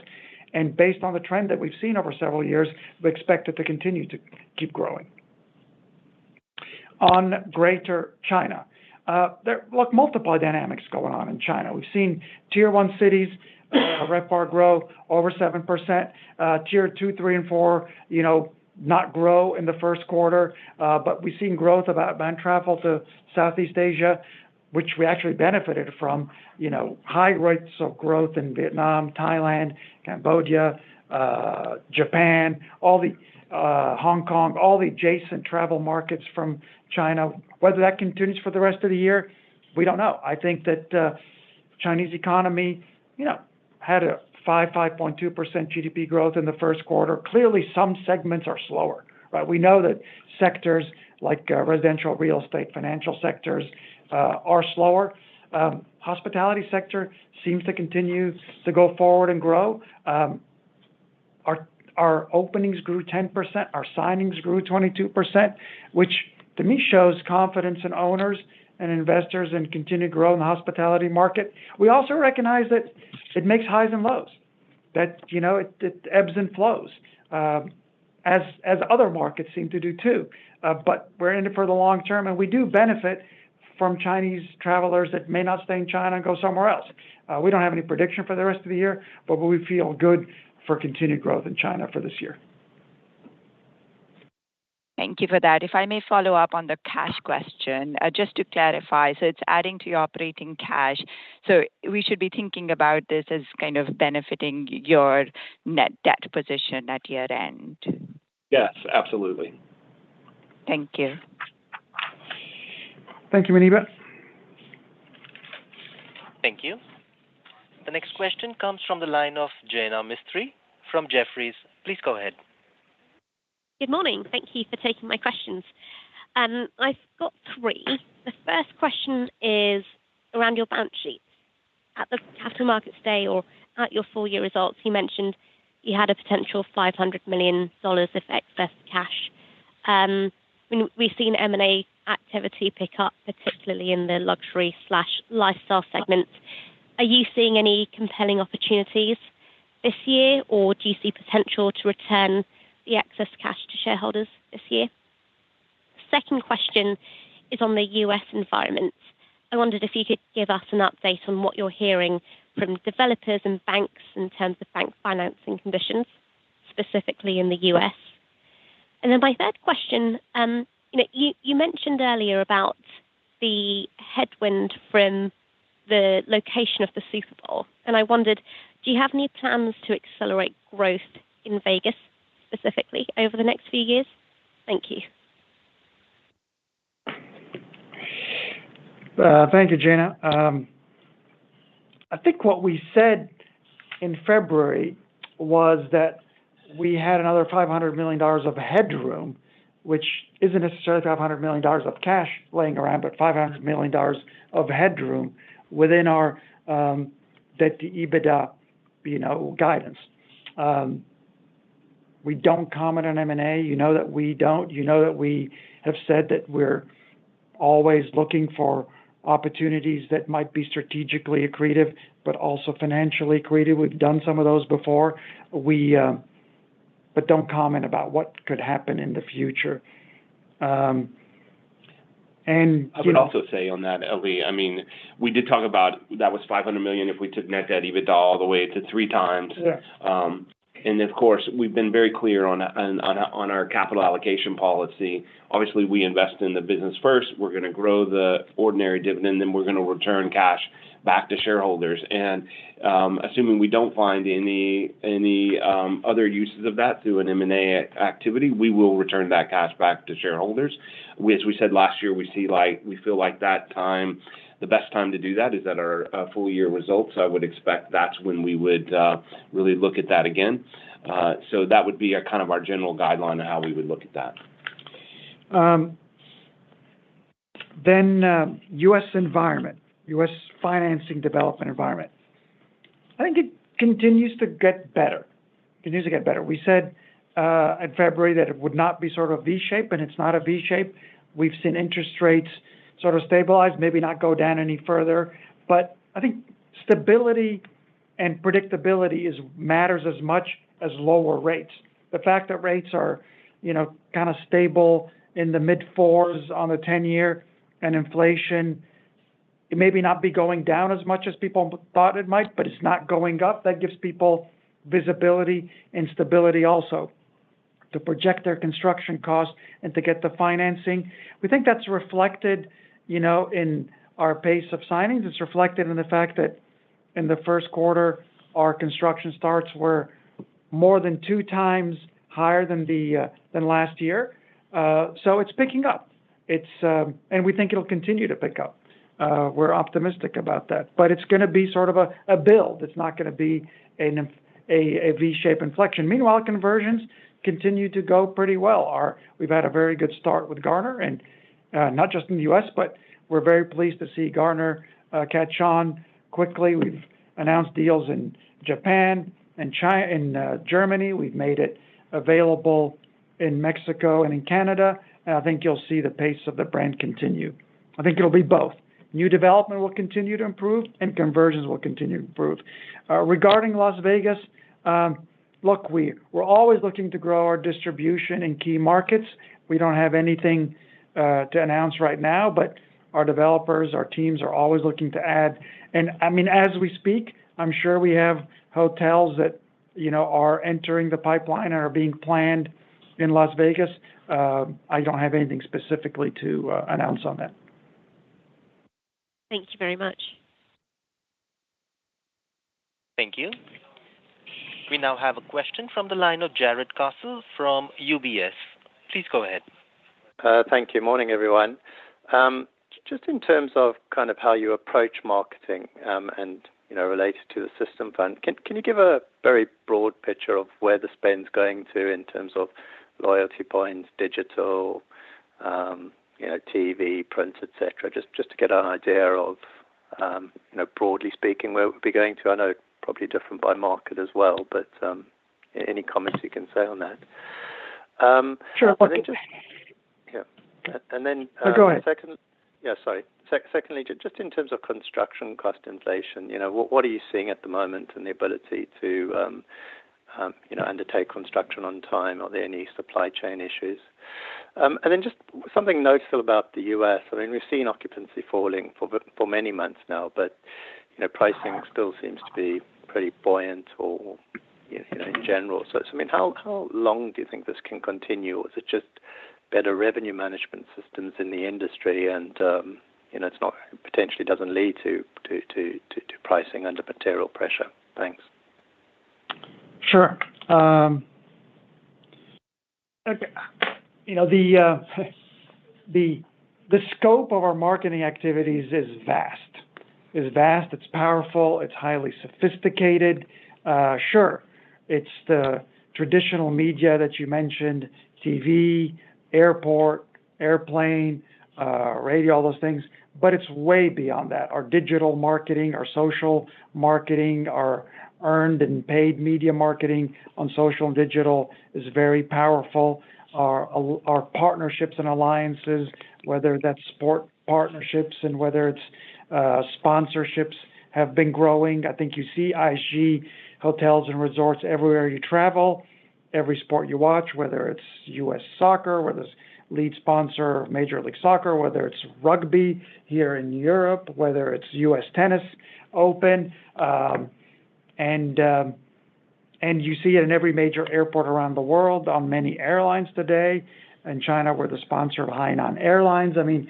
[SPEAKER 3] And based on the trend that we've seen over several years, we expect it to continue to keep growing. On Greater China, look, multiple dynamics going on in China. We've seen Tier 1 cities RevPAR grow over 7%. Tier 2, 3, and 4 not grow in the first quarter. But we've seen growth about when travel to Southeast Asia, which we actually benefited from, high rates of growth in Vietnam, Thailand, Cambodia, Japan, Hong Kong, all the adjacent travel markets from China. Whether that continues for the rest of the year, we don't know. I think that Chinese economy had a 5.2% GDP growth in the first quarter. Clearly, some segments are slower, right? We know that sectors like residential, real estate, financial sectors are slower. Hospitality sector seems to continue to go forward and grow. Our openings grew 10%. Our signings grew 22%, which to me shows confidence in owners and investors and continued growth in the hospitality market. We also recognize that it makes highs and lows, that it ebbs and flows as other markets seem to do too. But we're in it for the long term, and we do benefit from Chinese travelers that may not stay in China and go somewhere else. We don't have any prediction for the rest of the year, but we feel good for continued growth in China for this year.
[SPEAKER 8] Thank you for that. If I may follow up on the cash question, just to clarify, so it's adding to your operating cash. So we should be thinking about this as kind of benefiting your net debt position at year-end.
[SPEAKER 4] Yes, absolutely.
[SPEAKER 8] Thank you.
[SPEAKER 3] Thank you, Muneeba.
[SPEAKER 1] Thank you. The next question comes from the line of Jaina Mistry from Jefferies. Please go ahead.
[SPEAKER 9] Good morning. Thank you for taking my questions. I've got three. The first question is around your balance sheet. At the Capital Markets Day or at your full-year results, you mentioned you had a potential $500 million of excess cash. We've seen M&A activity pick up, particularly in the luxury/lifestyle segments. Are you seeing any compelling opportunities this year, or do you see potential to return the excess cash to shareholders this year? Second question is on the U.S. environment. I wondered if you could give us an update on what you're hearing from developers and banks in terms of bank financing conditions, specifically in the U.S. And then my third question, you mentioned earlier about the headwind from the location of the Super Bowl. And I wondered, do you have any plans to accelerate growth in Vegas specifically over the next few years? Thank you.
[SPEAKER 3] Thank you, Jaina. I think what we said in February was that we had another $500 million of headroom, which isn't necessarily $500 million of cash lying around, but $500 million of headroom within our debt to EBITDA guidance. We don't comment on M&A. You know that we don't. You know that we have said that we're always looking for opportunities that might be strategically accretive but also financially accretive. We've done some of those before, but don't comment about what could happen in the future.
[SPEAKER 4] And I would also say on that, Elie, I mean, we did talk about that was $500 million if we took net debt EBITDA all the way to three times. And of course, we've been very clear on our capital allocation policy. Obviously, we invest in the business first. We're going to grow the ordinary dividend, then we're going to return cash back to shareholders. Assuming we don't find any other uses of that through an M&A activity, we will return that cash back to shareholders. As we said last year, we feel like that time, the best time to do that is at our full-year results. I would expect that's when we would really look at that again. So that would be kind of our general guideline on how we would look at that.
[SPEAKER 3] Then U.S. environment, U.S. financing development environment. I think it continues to get better. It continues to get better. We said in February that it would not be sort of V-shaped, and it's not a V-shape. We've seen interest rates sort of stabilize, maybe not go down any further. But I think stability and predictability matters as much as lower rates. The fact that rates are kind of stable in the mid-4s on the 10-year and inflation, it may not be going down as much as people thought it might, but it's not going up. That gives people visibility and stability also to project their construction costs and to get the financing. We think that's reflected in our pace of signings. It's reflected in the fact that in the first quarter, our construction starts were more than two times higher than last year. So it's picking up. We think it'll continue to pick up. We're optimistic about that. But it's going to be sort of a build. It's not going to be a V-shape inflection. Meanwhile, conversions continue to go pretty well. We've had a very good start with Garner, not just in the U.S., but we're very pleased to see Garner catch on quickly.
[SPEAKER 4] We've announced deals in Japan and Germany. We've made it available in Mexico and in Canada. And I think you'll see the pace of the brand continue. I think it'll be both. New development will continue to improve, and conversions will continue to improve. Regarding Las Vegas, look, we're always looking to grow our distribution in key markets. We don't have anything to announce right now, but our developers, our teams are always looking to add. And I mean, as we speak, I'm sure we have hotels that are entering the pipeline and are being planned in Las Vegas. I don't have anything specifically to announce on that.
[SPEAKER 8] Thank you very much.
[SPEAKER 1] Thank you. We now have a question from the line of Jarrod Castle from UBS. Please go ahead.
[SPEAKER 10] Thank you. Morning, everyone. Just in terms of kind of how you approach marketing related to the System Fund, can you give a very broad picture of where the spend's going to in terms of loyalty points, digital, TV, print, etc., just to get an idea of, broadly speaking, where it would be going to? I know it's probably different by market as well, but any comments you can say on that.
[SPEAKER 3] Sure. What do you think? Yeah. And then go ahead.
[SPEAKER 10] Yeah. Sorry. Secondly, just in terms of construction cost inflation, what are you seeing at the moment in the ability to undertake construction on time? Are there any supply chain issues? And then just something noticeable about the U.S. I mean, we've seen occupancy falling for many months now, but pricing still seems to be pretty buoyant in general. So I mean, how long do you think this can continue? Is it just better revenue management systems in the industry, and it potentially doesn't lead to pricing under material pressure? Thanks.
[SPEAKER 3] Sure. The scope of our marketing activities is vast. It's vast. It's powerful. It's highly sophisticated. Sure. It's the traditional media that you mentioned, TV, airport, airplane, radio, all those things. But it's way beyond that. Our digital marketing, our social marketing, our earned and paid media marketing on social and digital is very powerful. Our partnerships and alliances, whether that's sport partnerships and whether it's sponsorships, have been growing. I think you see IHG Hotels & Resorts everywhere you travel, every sport you watch, whether it's U.S. soccer, whether it's lead sponsor of Major League Soccer, whether it's rugby here in Europe, whether it's U.S. Tennis Open. And you see it in every major airport around the world on many airlines today. In China, we're the sponsor of Hainan Airlines. I mean,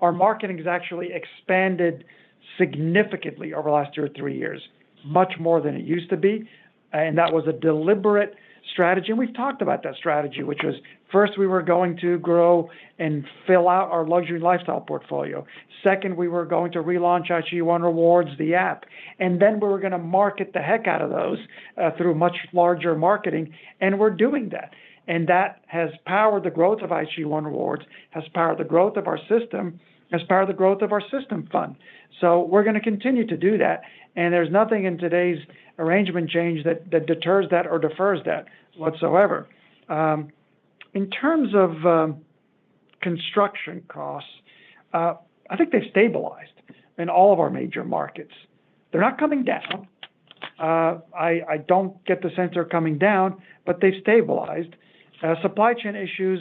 [SPEAKER 3] our marketing has actually expanded significantly over the last 2 or 3 years, much more than it used to be. That was a deliberate strategy. We've talked about that strategy, which was, first, we were going to grow and fill out our luxury lifestyle portfolio. Second, we were going to relaunch IHG One Rewards, the app. Then we were going to market the heck out of those through much larger marketing. We're doing that. That has powered the growth of IHG One Rewards, has powered the growth of our system, has powered the growth of our System Fund. We're going to continue to do that. There's nothing in today's arrangement change that deters that or defers that whatsoever. In terms of construction costs, I think they've stabilized in all of our major markets. They're not coming down. I don't get the sense they're coming down, but they've stabilized. Supply chain issues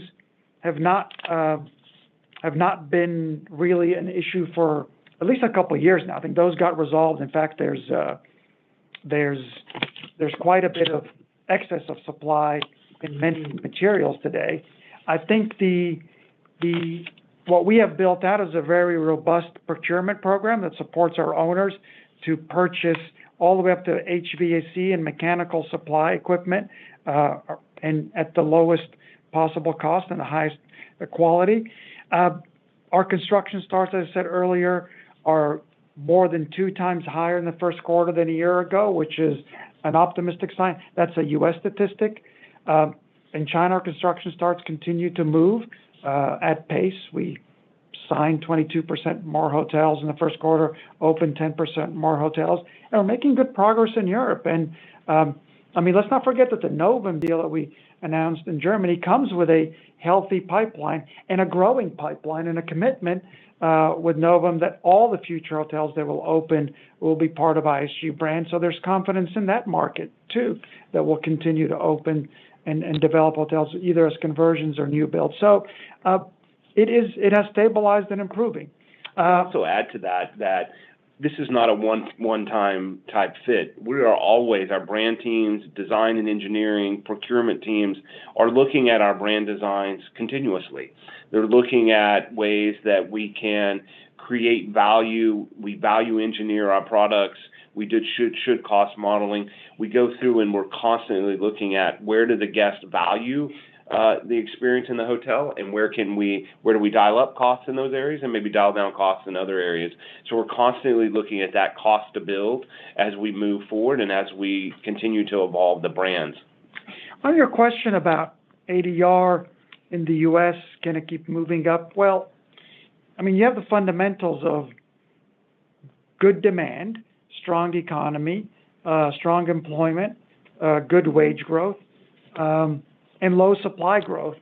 [SPEAKER 3] have not been really an issue for at least a couple of years now. I think those got resolved. In fact, there's quite a bit of excess of supply in many materials today. I think what we have built out is a very robust procurement program that supports our owners to purchase all the way up to HVAC and mechanical supply equipment at the lowest possible cost and the highest quality. Our construction starts, as I said earlier, are more than 2 times higher in the first quarter than a year ago, which is an optimistic sign. That's a US statistic. In China, our construction starts continue to move at pace. We signed 22% more hotels in the first quarter, opened 10% more hotels. And we're making good progress in Europe. I mean, let's not forget that the Novum deal that we announced in Germany comes with a healthy pipeline and a growing pipeline and a commitment with Novum that all the future hotels that will open will be part of IHG brand. So there's confidence in that market too that we'll continue to open and develop hotels either as conversions or new builds. So it has stabilized and improving.
[SPEAKER 2] I'd also add to that that this is not a one-time type fix. Our brand teams, design and engineering, procurement teams are looking at our brand designs continuously. They're looking at ways that we can create value. We value engineer our products. We do should-cost modeling. We go through, and we're constantly looking at where do the guests value the experience in the hotel, and where do we dial up costs in those areas and maybe dial down costs in other areas. So we're constantly looking at that cost to build as we move forward and as we continue to evolve the brands.
[SPEAKER 3] On your question about ADR in the US, can it keep moving up? Well, I mean, you have the fundamentals of good demand, strong economy, strong employment, good wage growth, and low supply growth.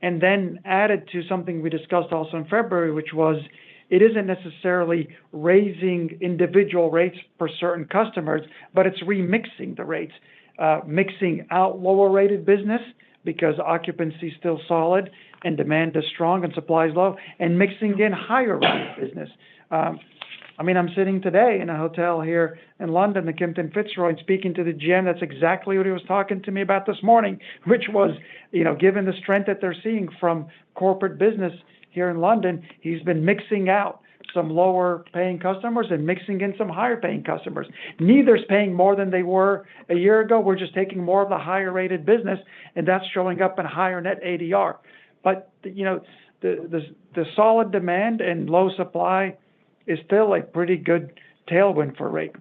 [SPEAKER 3] And then added to something we discussed also in February, which was it isn't necessarily raising individual rates for certain customers, but it's remixing the rates, mixing out lower-rated business because occupancy's still solid and demand is strong and supply's low, and mixing in higher-rated business. I mean, I'm sitting today in a hotel here in London, the Kimpton Fitzroy, and speaking to the GM, that's exactly what he was talking to me about this morning, which was, given the strength that they're seeing from corporate business here in London, he's been mixing out some lower-paying customers and mixing in some higher-paying customers. Neither's paying more than they were a year ago. We're just taking more of the higher-rated business, and that's showing up in higher net ADR. But the solid demand and low supply is still a pretty good tailwind for rate.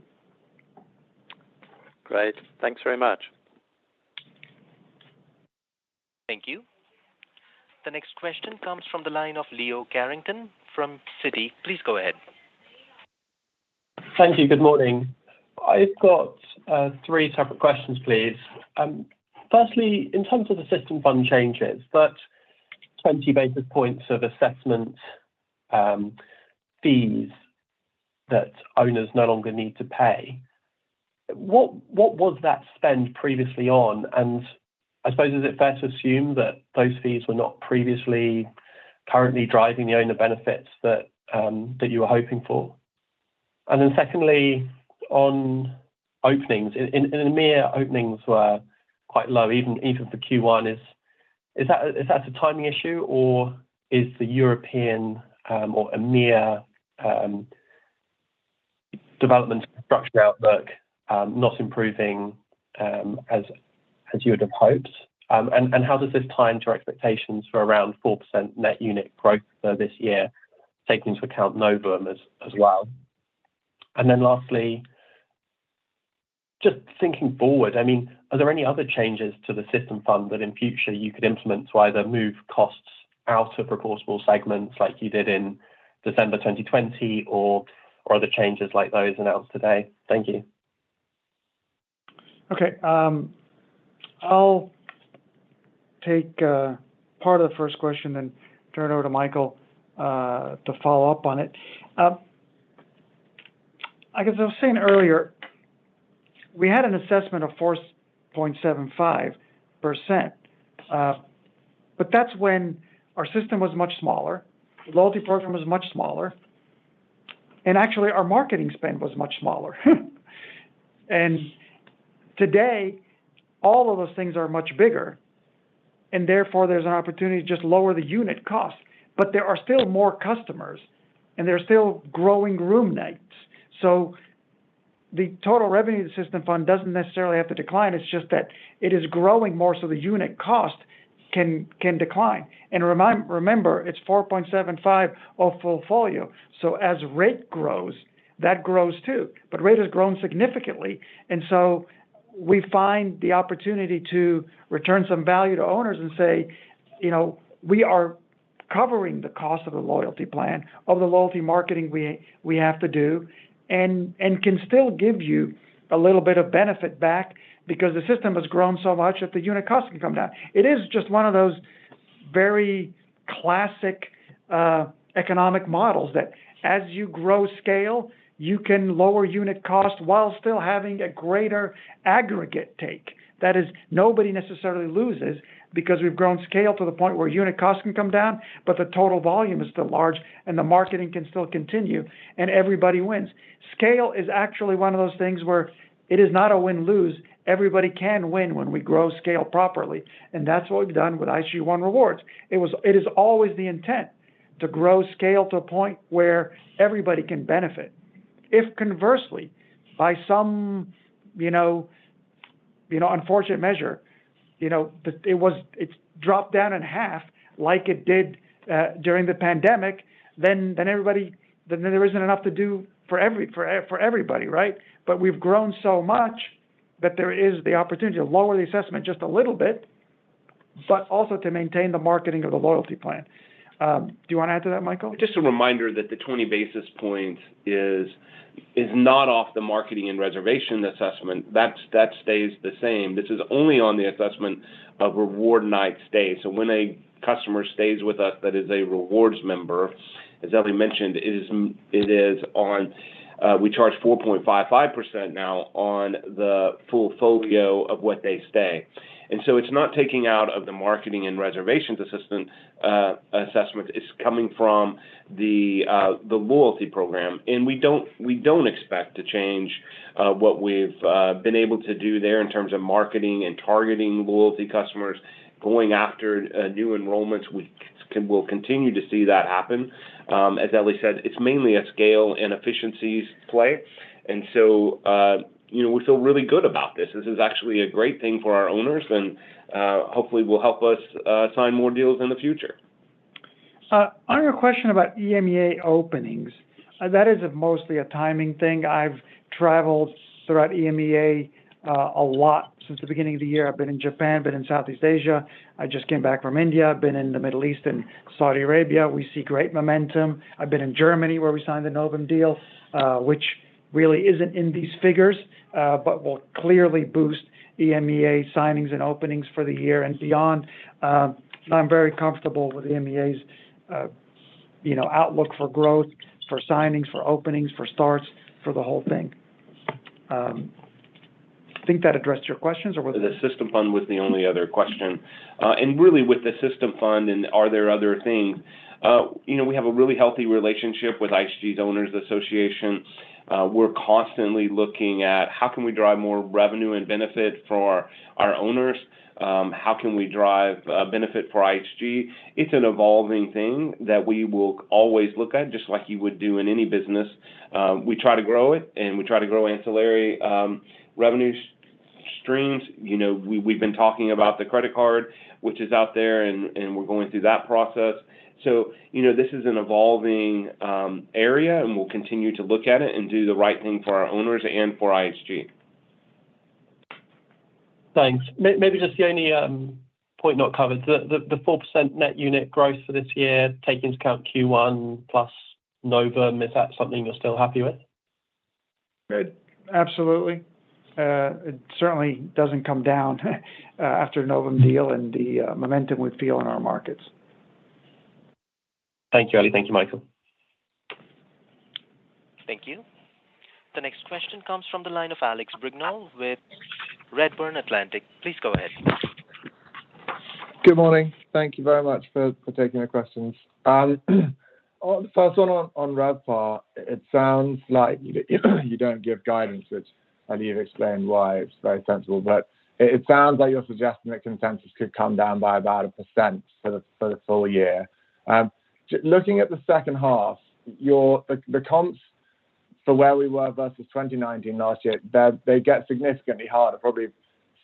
[SPEAKER 10] Great. Thanks very much.
[SPEAKER 1] Thank you. The next question comes from the line of Leo Carrington from Citi. Please go ahead.
[SPEAKER 11] Thank you. Good morning. I've got three separate questions, please. Firstly, in terms of the System Fund changes, that 20 basis points of assessment fees that owners no longer need to pay. What was that spend previously on? And I suppose is it fair to assume that those fees were not currently driving the owner benefits that you were hoping for? And then secondly, on openings, the Americas openings were quite low, even for Q1. Is that a timing issue, or is the European or Americas development structure outlook not improving as you would have hoped? And how does this tie into our expectations for around 4% net unit growth for this year, taking into account Novum as well? And then lastly, just thinking forward, I mean, are there any other changes to the System Fund that in future you could implement to either move costs out of proposable segments like you did in December 2020 or other changes like those announced today? Thank you.
[SPEAKER 3] Okay. I'll take part of the first question and turn it over to Michael to follow up on it. I guess I was saying earlier, we had an assessment of 4.75%, but that's when our system was much smaller, the loyalty program was much smaller, and actually, our marketing spend was much smaller. Today, all of those things are much bigger. Therefore, there's an opportunity to just lower the unit cost. But there are still more customers, and there's still growing room nights. So the total revenue of the System Fund doesn't necessarily have to decline. It's just that it is growing more so the unit cost can decline. And remember, it's 4.75 of full folio. So as rate grows, that grows too. But rate has grown significantly. So we find the opportunity to return some value to owners and say, "We are covering the cost of the loyalty plan, of the loyalty marketing we have to do, and can still give you a little bit of benefit back because the system has grown so much that the unit cost can come down." It is just one of those very classic economic models that as you grow scale, you can lower unit cost while still having a greater aggregate take. That is, nobody necessarily loses because we've grown scale to the point where unit cost can come down, but the total volume is still large, and the marketing can still continue, and everybody wins. Scale is actually one of those things where it is not a win-lose. Everybody can win when we grow scale properly. And that's what we've done with IHG One Rewards. It is always the intent to grow scale to a point where everybody can benefit. If conversely, by some unfortunate measure, it dropped down in half like it did during the pandemic, then there isn't enough to do for everybody, right? But we've grown so much that there is the opportunity to lower the assessment just a little bit but also to maintain the marketing of the loyalty plan. Do you want to add to that, Michael?
[SPEAKER 4] Just a reminder that the 20 basis points is not off the marketing and reservation assessment. That stays the same. This is only on the assessment of reward night stay. So when a customer stays with us that is a rewards member, as Elie mentioned, it is on we charge 4.55% now on the full folio of what they stay. And so it's not taking out of the marketing and reservations assessment. It's coming from the loyalty program. We don't expect to change what we've been able to do there in terms of marketing and targeting loyalty customers, going after new enrollments. We'll continue to see that happen. As Elie said, it's mainly a scale and efficiencies play. So we feel really good about this. This is actually a great thing for our owners and hopefully will help us sign more deals in the future.
[SPEAKER 3] On your question about EMEA openings, that is mostly a timing thing. I've traveled throughout EMEA a lot since the beginning of the year. I've been in Japan, been in Southeast Asia. I just came back from India. I've been in the Middle East and Saudi Arabia. We see great momentum. I've been in Germany where we signed the Novum deal, which really isn't in these figures but will clearly boost EMEA signings and openings for the year and beyond. I'm very comfortable with EMEA's outlook for growth, for signings, for openings, for starts, for the whole thing.
[SPEAKER 4] I think that addressed your questions, or was it? The System Fund was the only other question. And really, with the System Fund and are there other things, we have a really healthy relationship with IHG's Owners Association. We're constantly looking at how can we drive more revenue and benefit for our owners? How can we drive benefit for IHG? It's an evolving thing that we will always look at, just like you would do in any business. We try to grow it, and we try to grow ancillary revenue streams. We've been talking about the credit card, which is out there, and we're going through that process. So this is an evolving area, and we'll continue to look at it and do the right thing for our owners and for IHG.
[SPEAKER 11] Thanks. Maybe just the only point not covered. The 4% net unit growth for this year, taking into account Q1 plus Novum, is that something you're still happy with?
[SPEAKER 3] Absolutely. It certainly doesn't come down after Novum deal and the momentum we feel in our markets.
[SPEAKER 11] Thank you, Elie. Thank you, Michael.
[SPEAKER 1] Thank you. The next question comes from the line of Alex Brignall with Redburn Atlantic. Please go ahead.
[SPEAKER 12] Good morning. Thank you very much for taking the questions. The first one on RevPAR, it sounds like you don't give guidance, which Elie explained why it's very sensible. It sounds like you're suggesting that consensus could come down by about 1% for the full year. Looking at the second half, the comps for where we were versus 2019 last year, they get significantly harder, probably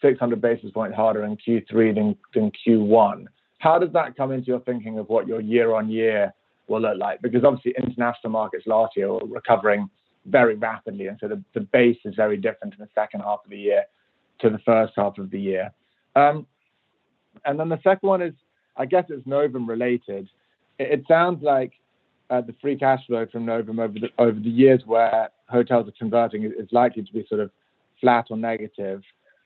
[SPEAKER 12] 600 basis points harder in Q3 than Q1. How does that come into your thinking of what your year-on-year will look like? Because obviously, international markets last year were recovering very rapidly, and so the base is very different in the second half of the year to the first half of the year. And then the second one is, I guess it's Novum related. It sounds like the free cash flow from Novum over the years where hotels are converting is likely to be sort of flat or negative.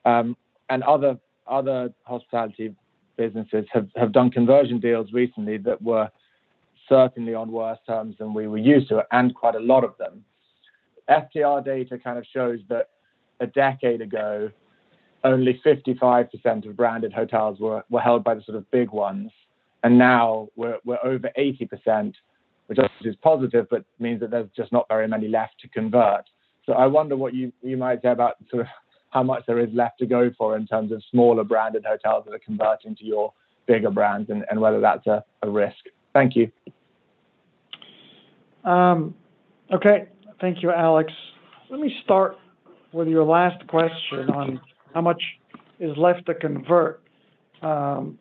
[SPEAKER 12] Other hospitality businesses have done conversion deals recently that were certainly on worse terms than we were used to and quite a lot of them. STR data kind of shows that a decade ago, only 55% of branded hotels were held by the sort of big ones. Now we're over 80%, which obviously is positive but means that there's just not very many left to convert. So I wonder what you might say about sort of how much there is left to go for in terms of smaller branded hotels that are converting to your bigger brands and whether that's a risk. Thank you.
[SPEAKER 3] Okay. Thank you, Alex. Let me start with your last question on how much is left to convert. I'll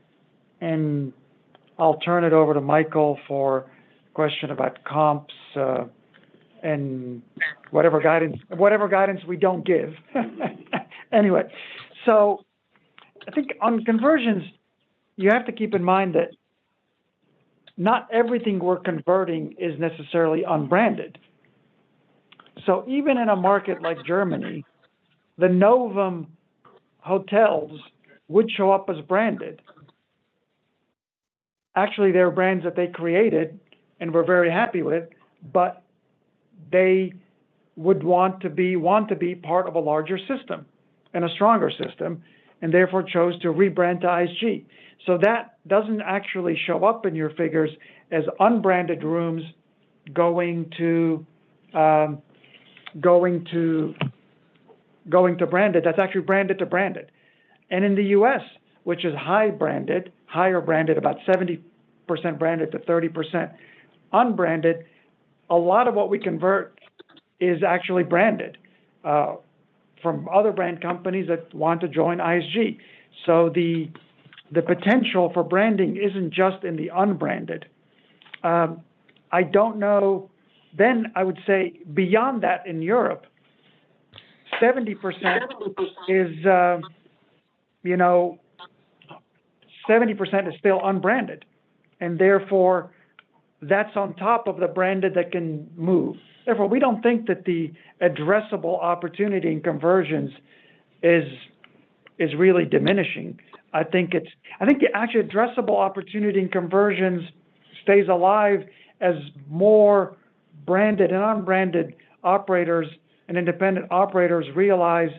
[SPEAKER 3] turn it over to Michael for a question about comps and whatever guidance we don't give. Anyway, so I think on conversions, you have to keep in mind that not everything we're converting is necessarily unbranded. So even in a market like Germany, the Novum hotels would show up as branded. Actually, they're brands that they created and were very happy with, but they would want to be part of a larger system and a stronger system and therefore chose to rebrand to IHG. So that doesn't actually show up in your figures as unbranded rooms going to branded. That's actually branded to branded. And in the U.S., which is high branded, higher branded, about 70% branded to 30% unbranded, a lot of what we convert is actually branded from other brand companies that want to join IHG. So the potential for branding isn't just in the unbranded. Then I would say beyond that, in Europe, 70% is still unbranded. Therefore, that's on top of the branded that can move. Therefore, we don't think that the addressable opportunity in conversions is really diminishing. I think the actually addressable opportunity in conversions stays alive as more branded and unbranded operators and independent operators realize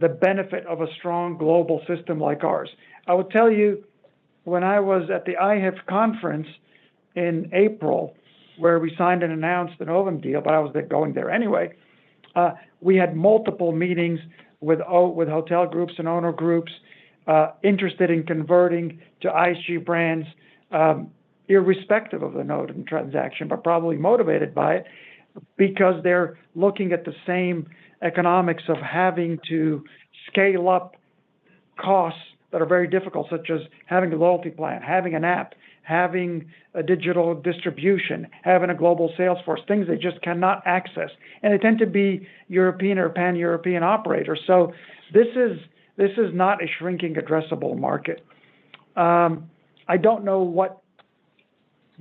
[SPEAKER 3] the benefit of a strong global system like ours. I will tell you, when I was at the IHIF conference in April where we signed and announced the Novum deal, but I was going there anyway, we had multiple meetings with hotel groups and owner groups interested in converting to IHG brands, irrespective of the Novum and transaction but probably motivated by it because they're looking at the same economics of having to scale up costs that are very difficult, such as having a loyalty plan, having an app, having a digital distribution, having a global salesforce, things they just cannot access. And they tend to be European or pan-European operators. So this is not a shrinking addressable market. I don't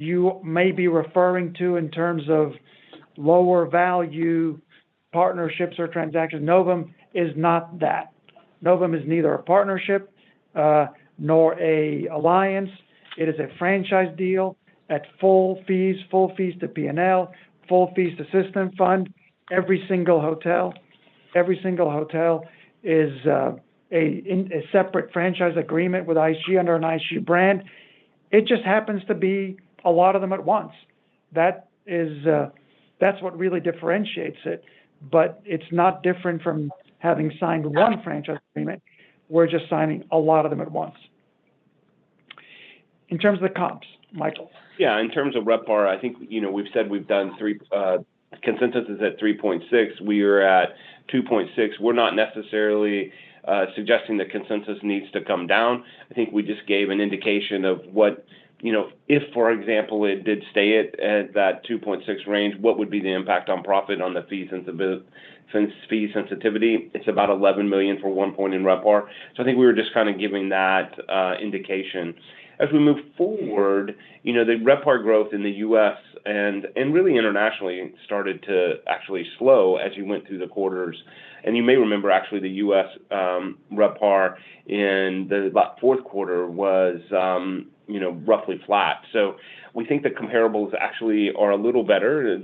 [SPEAKER 3] know what you may be referring to in terms of lower-value partnerships or transactions. Novum is not that. Novum is neither a partnership nor an alliance. It is a franchise deal at full fees, full fees to P&L, full fees to System Fund. Every single hotel is a separate franchise agreement with IHG under an IHG brand. It just happens to be a lot of them at once. That's what really differentiates it. But it's not different from having signed one franchise agreement. We're just signing a lot of them at once. In terms of the comps, Michael?
[SPEAKER 4] Yeah. In terms of RevPAR, I think we've said we've done 3%. Consensus is at 3.6%. We are at 2.6%. We're not necessarily suggesting the consensus needs to come down. I think we just gave an indication of what if, for example, it did stay at that 2.6 range, what would be the impact on profit, on the fee sensitivity. It's about 11 million for one point in RevPAR. So I think we were just kind of giving that indication. As we move forward, the RevPAR growth in the US and really internationally started to actually slow as you went through the quarters. You may remember, actually, the US RevPAR in the fourth quarter was roughly flat. So we think the comparables actually are a little better.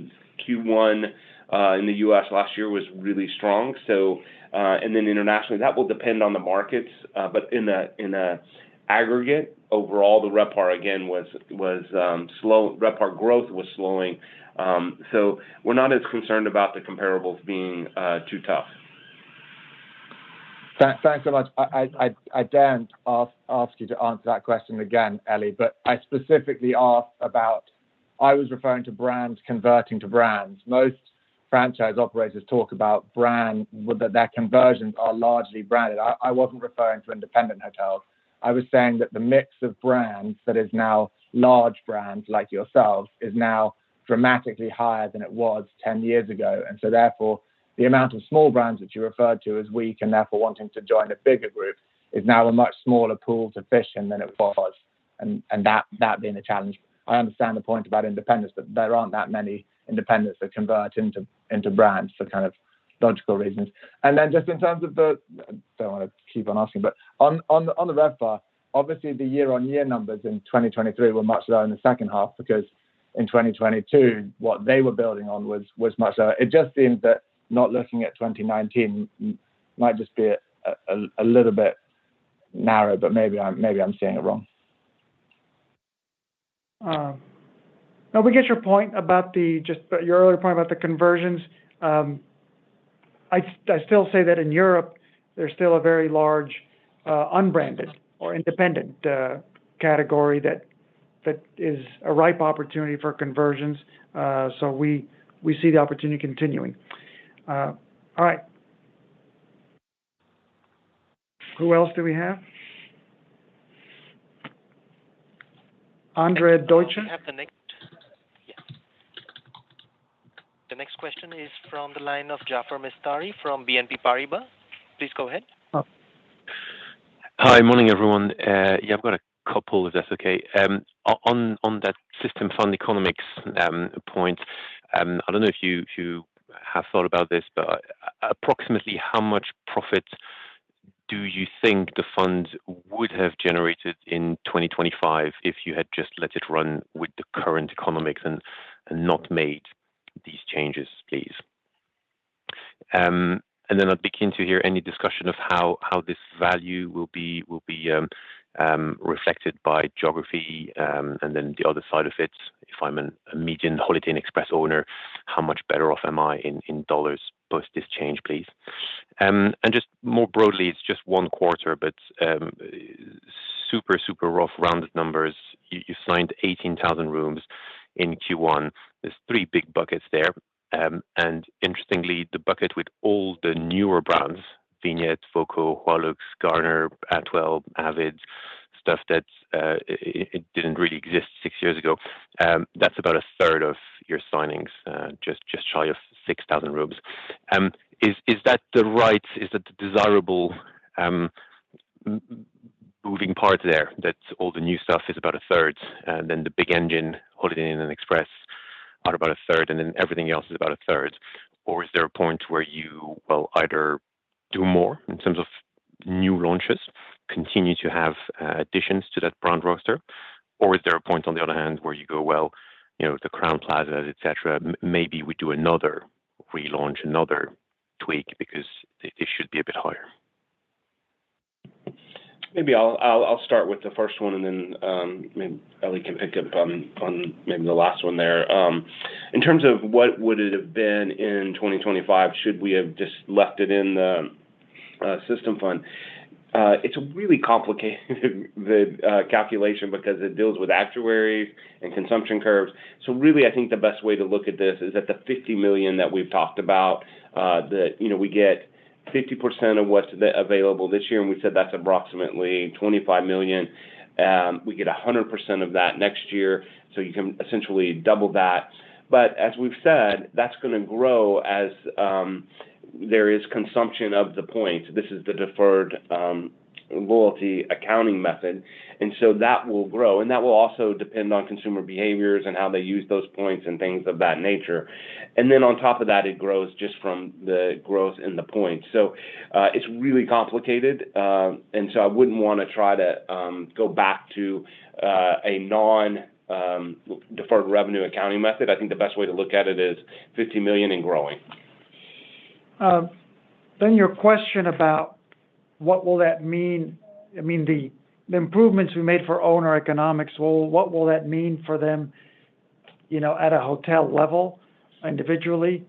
[SPEAKER 4] Q1 in the US last year was really strong. Then internationally, that will depend on the markets. But in the aggregate, overall, the RevPAR, again, was slow. RevPAR growth was slowing. So we're not as concerned about the comparables being too tough.
[SPEAKER 12] Thanks so much. Dare I ask you to answer that question again, Elie, but I specifically asked about. I was referring to brands converting to brands. Most franchise operators talk about their conversions are largely branded. I wasn't referring to independent hotels. I was saying that the mix of brands that is now large brands like yourselves is now dramatically higher than it was 10 years ago. And so therefore, the amount of small brands that you referred to as weak and therefore wanting to join a bigger group is now a much smaller pool to fish in than it was. And that being the challenge. I understand the point about independence, but there aren't that many independents that convert into brands for kind of logical reasons. And then just in terms of the, I don't want to keep on asking, but on the RevPAR, obviously, the year-on-year numbers in 2023 were much lower in the second half because in 2022, what they were building on was much lower. It just seems that not looking at 2019 might just be a little bit narrow, but maybe I'm seeing it wrong?
[SPEAKER 3] No, we get your point about the, just your earlier point about the conversions. I still say that in Europe, there's still a very large unbranded or independent category that is a ripe opportunity for conversions. So we see the opportunity continuing. All right. Who else do we have? Andre Deutsche?
[SPEAKER 1] Yes. The next question is from the line of Jaafar Mestari from BNP Paribas. Please go ahead.
[SPEAKER 13] Hi. Morning, everyone. Yeah, I've got a couple, if that's okay. On that System Fund economics point, I don't know if you have thought about this, but approximately how much profit do you think the fund would have generated in 2025 if you had just let it run with the current economics and not made these changes, please? And then I'd be keen to hear any discussion of how this value will be reflected by geography and then the other side of it. If I'm a median Holiday Inn Express owner, how much better off am I in dollars post this change, please? And just more broadly, it's just one quarter, but super, super rough rounded numbers. You signed 18,000 rooms in Q1. There's three big buckets there.
[SPEAKER 4] And interestingly, the bucket with all the newer brands, Vignette, voco, Hualuxe, Garner, Atwell, avids, stuff that didn't really exist six years ago, that's about a third of your signings, just shy of 6,000 rooms. Is that the right, is that the desirable moving part there that all the new stuff is about a third, then the big engine, Holiday Inn and Express, are about a third, and then everything else is about a third? Or is there a point where you will either do more in terms of new launches, continue to have additions to that brand roster, or is there a point, on the other hand, where you go, "Well, the Crowne Plazas, etc., maybe we do another relaunch, another tweak because this should be a bit higher"? Maybe I'll start with the first one, and then maybe Elie can pick up on maybe the last one there. In terms of what would it have been in 2025 should we have just left it in the System Fund, it's a really complicated calculation because it deals with actuaries and consumption curves. So really, I think the best way to look at this is at the $50 million that we've talked about, that we get 50% of what's available this year. And we said that's approximately $25 million. We get 100% of that next year. So you can essentially double that. But as we've said, that's going to grow as there is consumption of the points. This is the deferred loyalty accounting method. And so that will grow. And that will also depend on consumer behaviors and how they use those points and things of that nature. And then on top of that, it grows just from the growth in the points. So it's really complicated. And so I wouldn't want to try to go back to a non-deferred revenue accounting method. I think the best way to look at it is $50 million and growing.
[SPEAKER 3] Then your question about what will that mean? I mean, the improvements we made for owner economics, what will that mean for them at a hotel level individually?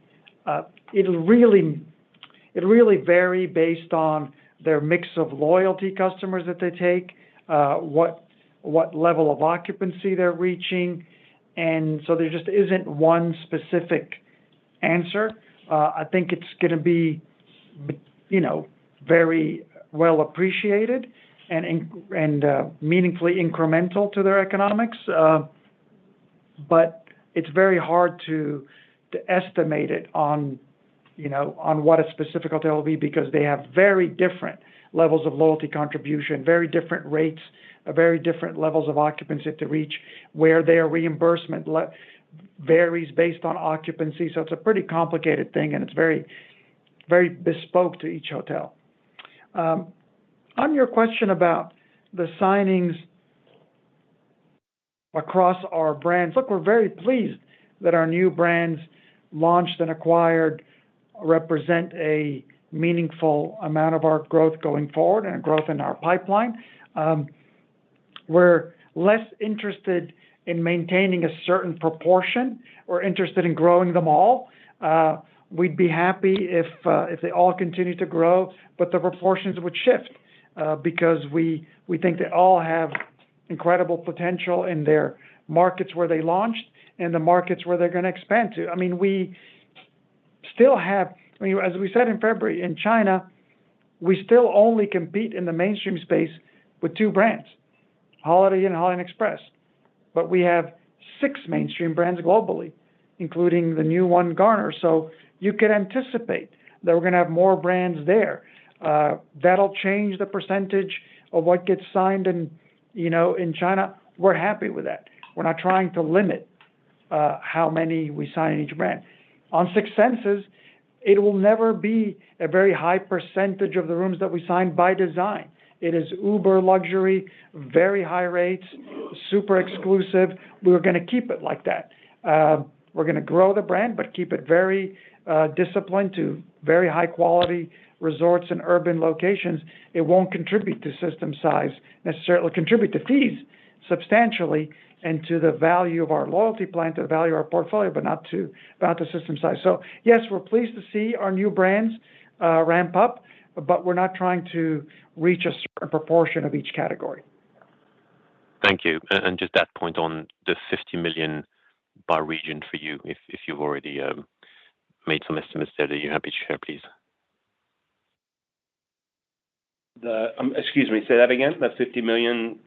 [SPEAKER 3] It'll really vary based on their mix of loyalty customers that they take, what level of occupancy they're reaching. And so there just isn't one specific answer. I think it's going to be very well appreciated and meaningfully incremental to their economics. But it's very hard to estimate it on what a specific hotel will be because they have very different levels of loyalty contribution, very different rates, very different levels of occupancy to reach, where their reimbursement varies based on occupancy. It's a pretty complicated thing, and it's very bespoke to each hotel. On your question about the signings across our brands, look, we're very pleased that our new brands launched and acquired represent a meaningful amount of our growth going forward and a growth in our pipeline. We're less interested in maintaining a certain proportion. We're interested in growing them all. We'd be happy if they all continue to grow, but the proportions would shift because we think they all have incredible potential in their markets where they launched and the markets where they're going to expand to. I mean, we still have I mean, as we said in February, in China, we still only compete in the mainstream space with two brands, Holiday Inn and Holiday Inn Express. But we have six mainstream brands globally, including the new one, Garner. So you can anticipate that we're going to have more brands there. That'll change the percentage of what gets signed in China. We're happy with that. We're not trying to limit how many we sign in each brand. On Six Senses, it will never be a very high percentage of the rooms that we sign by design. It is ultra luxury, very high rates, super exclusive. We're going to keep it like that. We're going to grow the brand but keep it very disciplined to very high-quality resorts and urban locations. It won't contribute to system size necessarily. It'll contribute to fees substantially and to the value of our loyalty plan, to the value of our portfolio, but not to system size. So yes, we're pleased to see our new brands ramp up, but we're not trying to reach a certain proportion of each category.
[SPEAKER 13] Thank you. Just that point on the $50 million by region for you, if you've already made some estimates there that you're happy to share, please?
[SPEAKER 4] Excuse me. Say that again. The $50 million?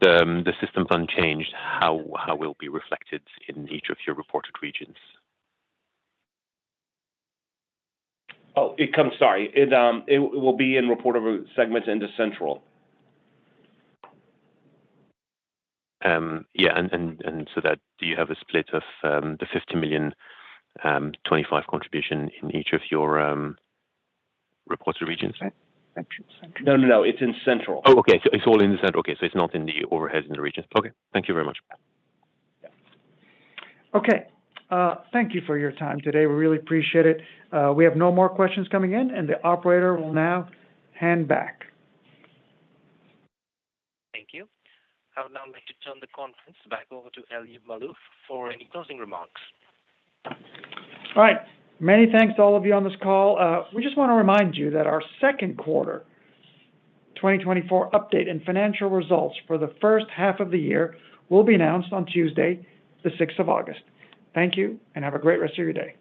[SPEAKER 13] The System Fund changed, how will it be reflected in each of your reported regions?
[SPEAKER 4] Oh, it comes, sorry. It will be in reportable segments into central.
[SPEAKER 13] Yeah. And so do you have a split of the $50 million, 25 contribution in each of your reported regions?
[SPEAKER 4] Central, central. No, no, no. It's in central.
[SPEAKER 13] Oh, okay. So it's all in the central, okay. So it's not in the overheads in the regions. Okay. Thank you very much.
[SPEAKER 2] Okay. Thank you for your time today. We really appreciate it. We have no more questions coming in, and the operator will now hand back.
[SPEAKER 1] Thank you. I'll now like to turn the conference back over to Elie Maalouf for any closing remarks.
[SPEAKER 3] All right. Many thanks to all of you on this call. We just want to remind you that our second quarter 2024 update and financial results for the first half of the year will be announced on Tuesday, the 6th of August. Thank you, and have a great rest of your day.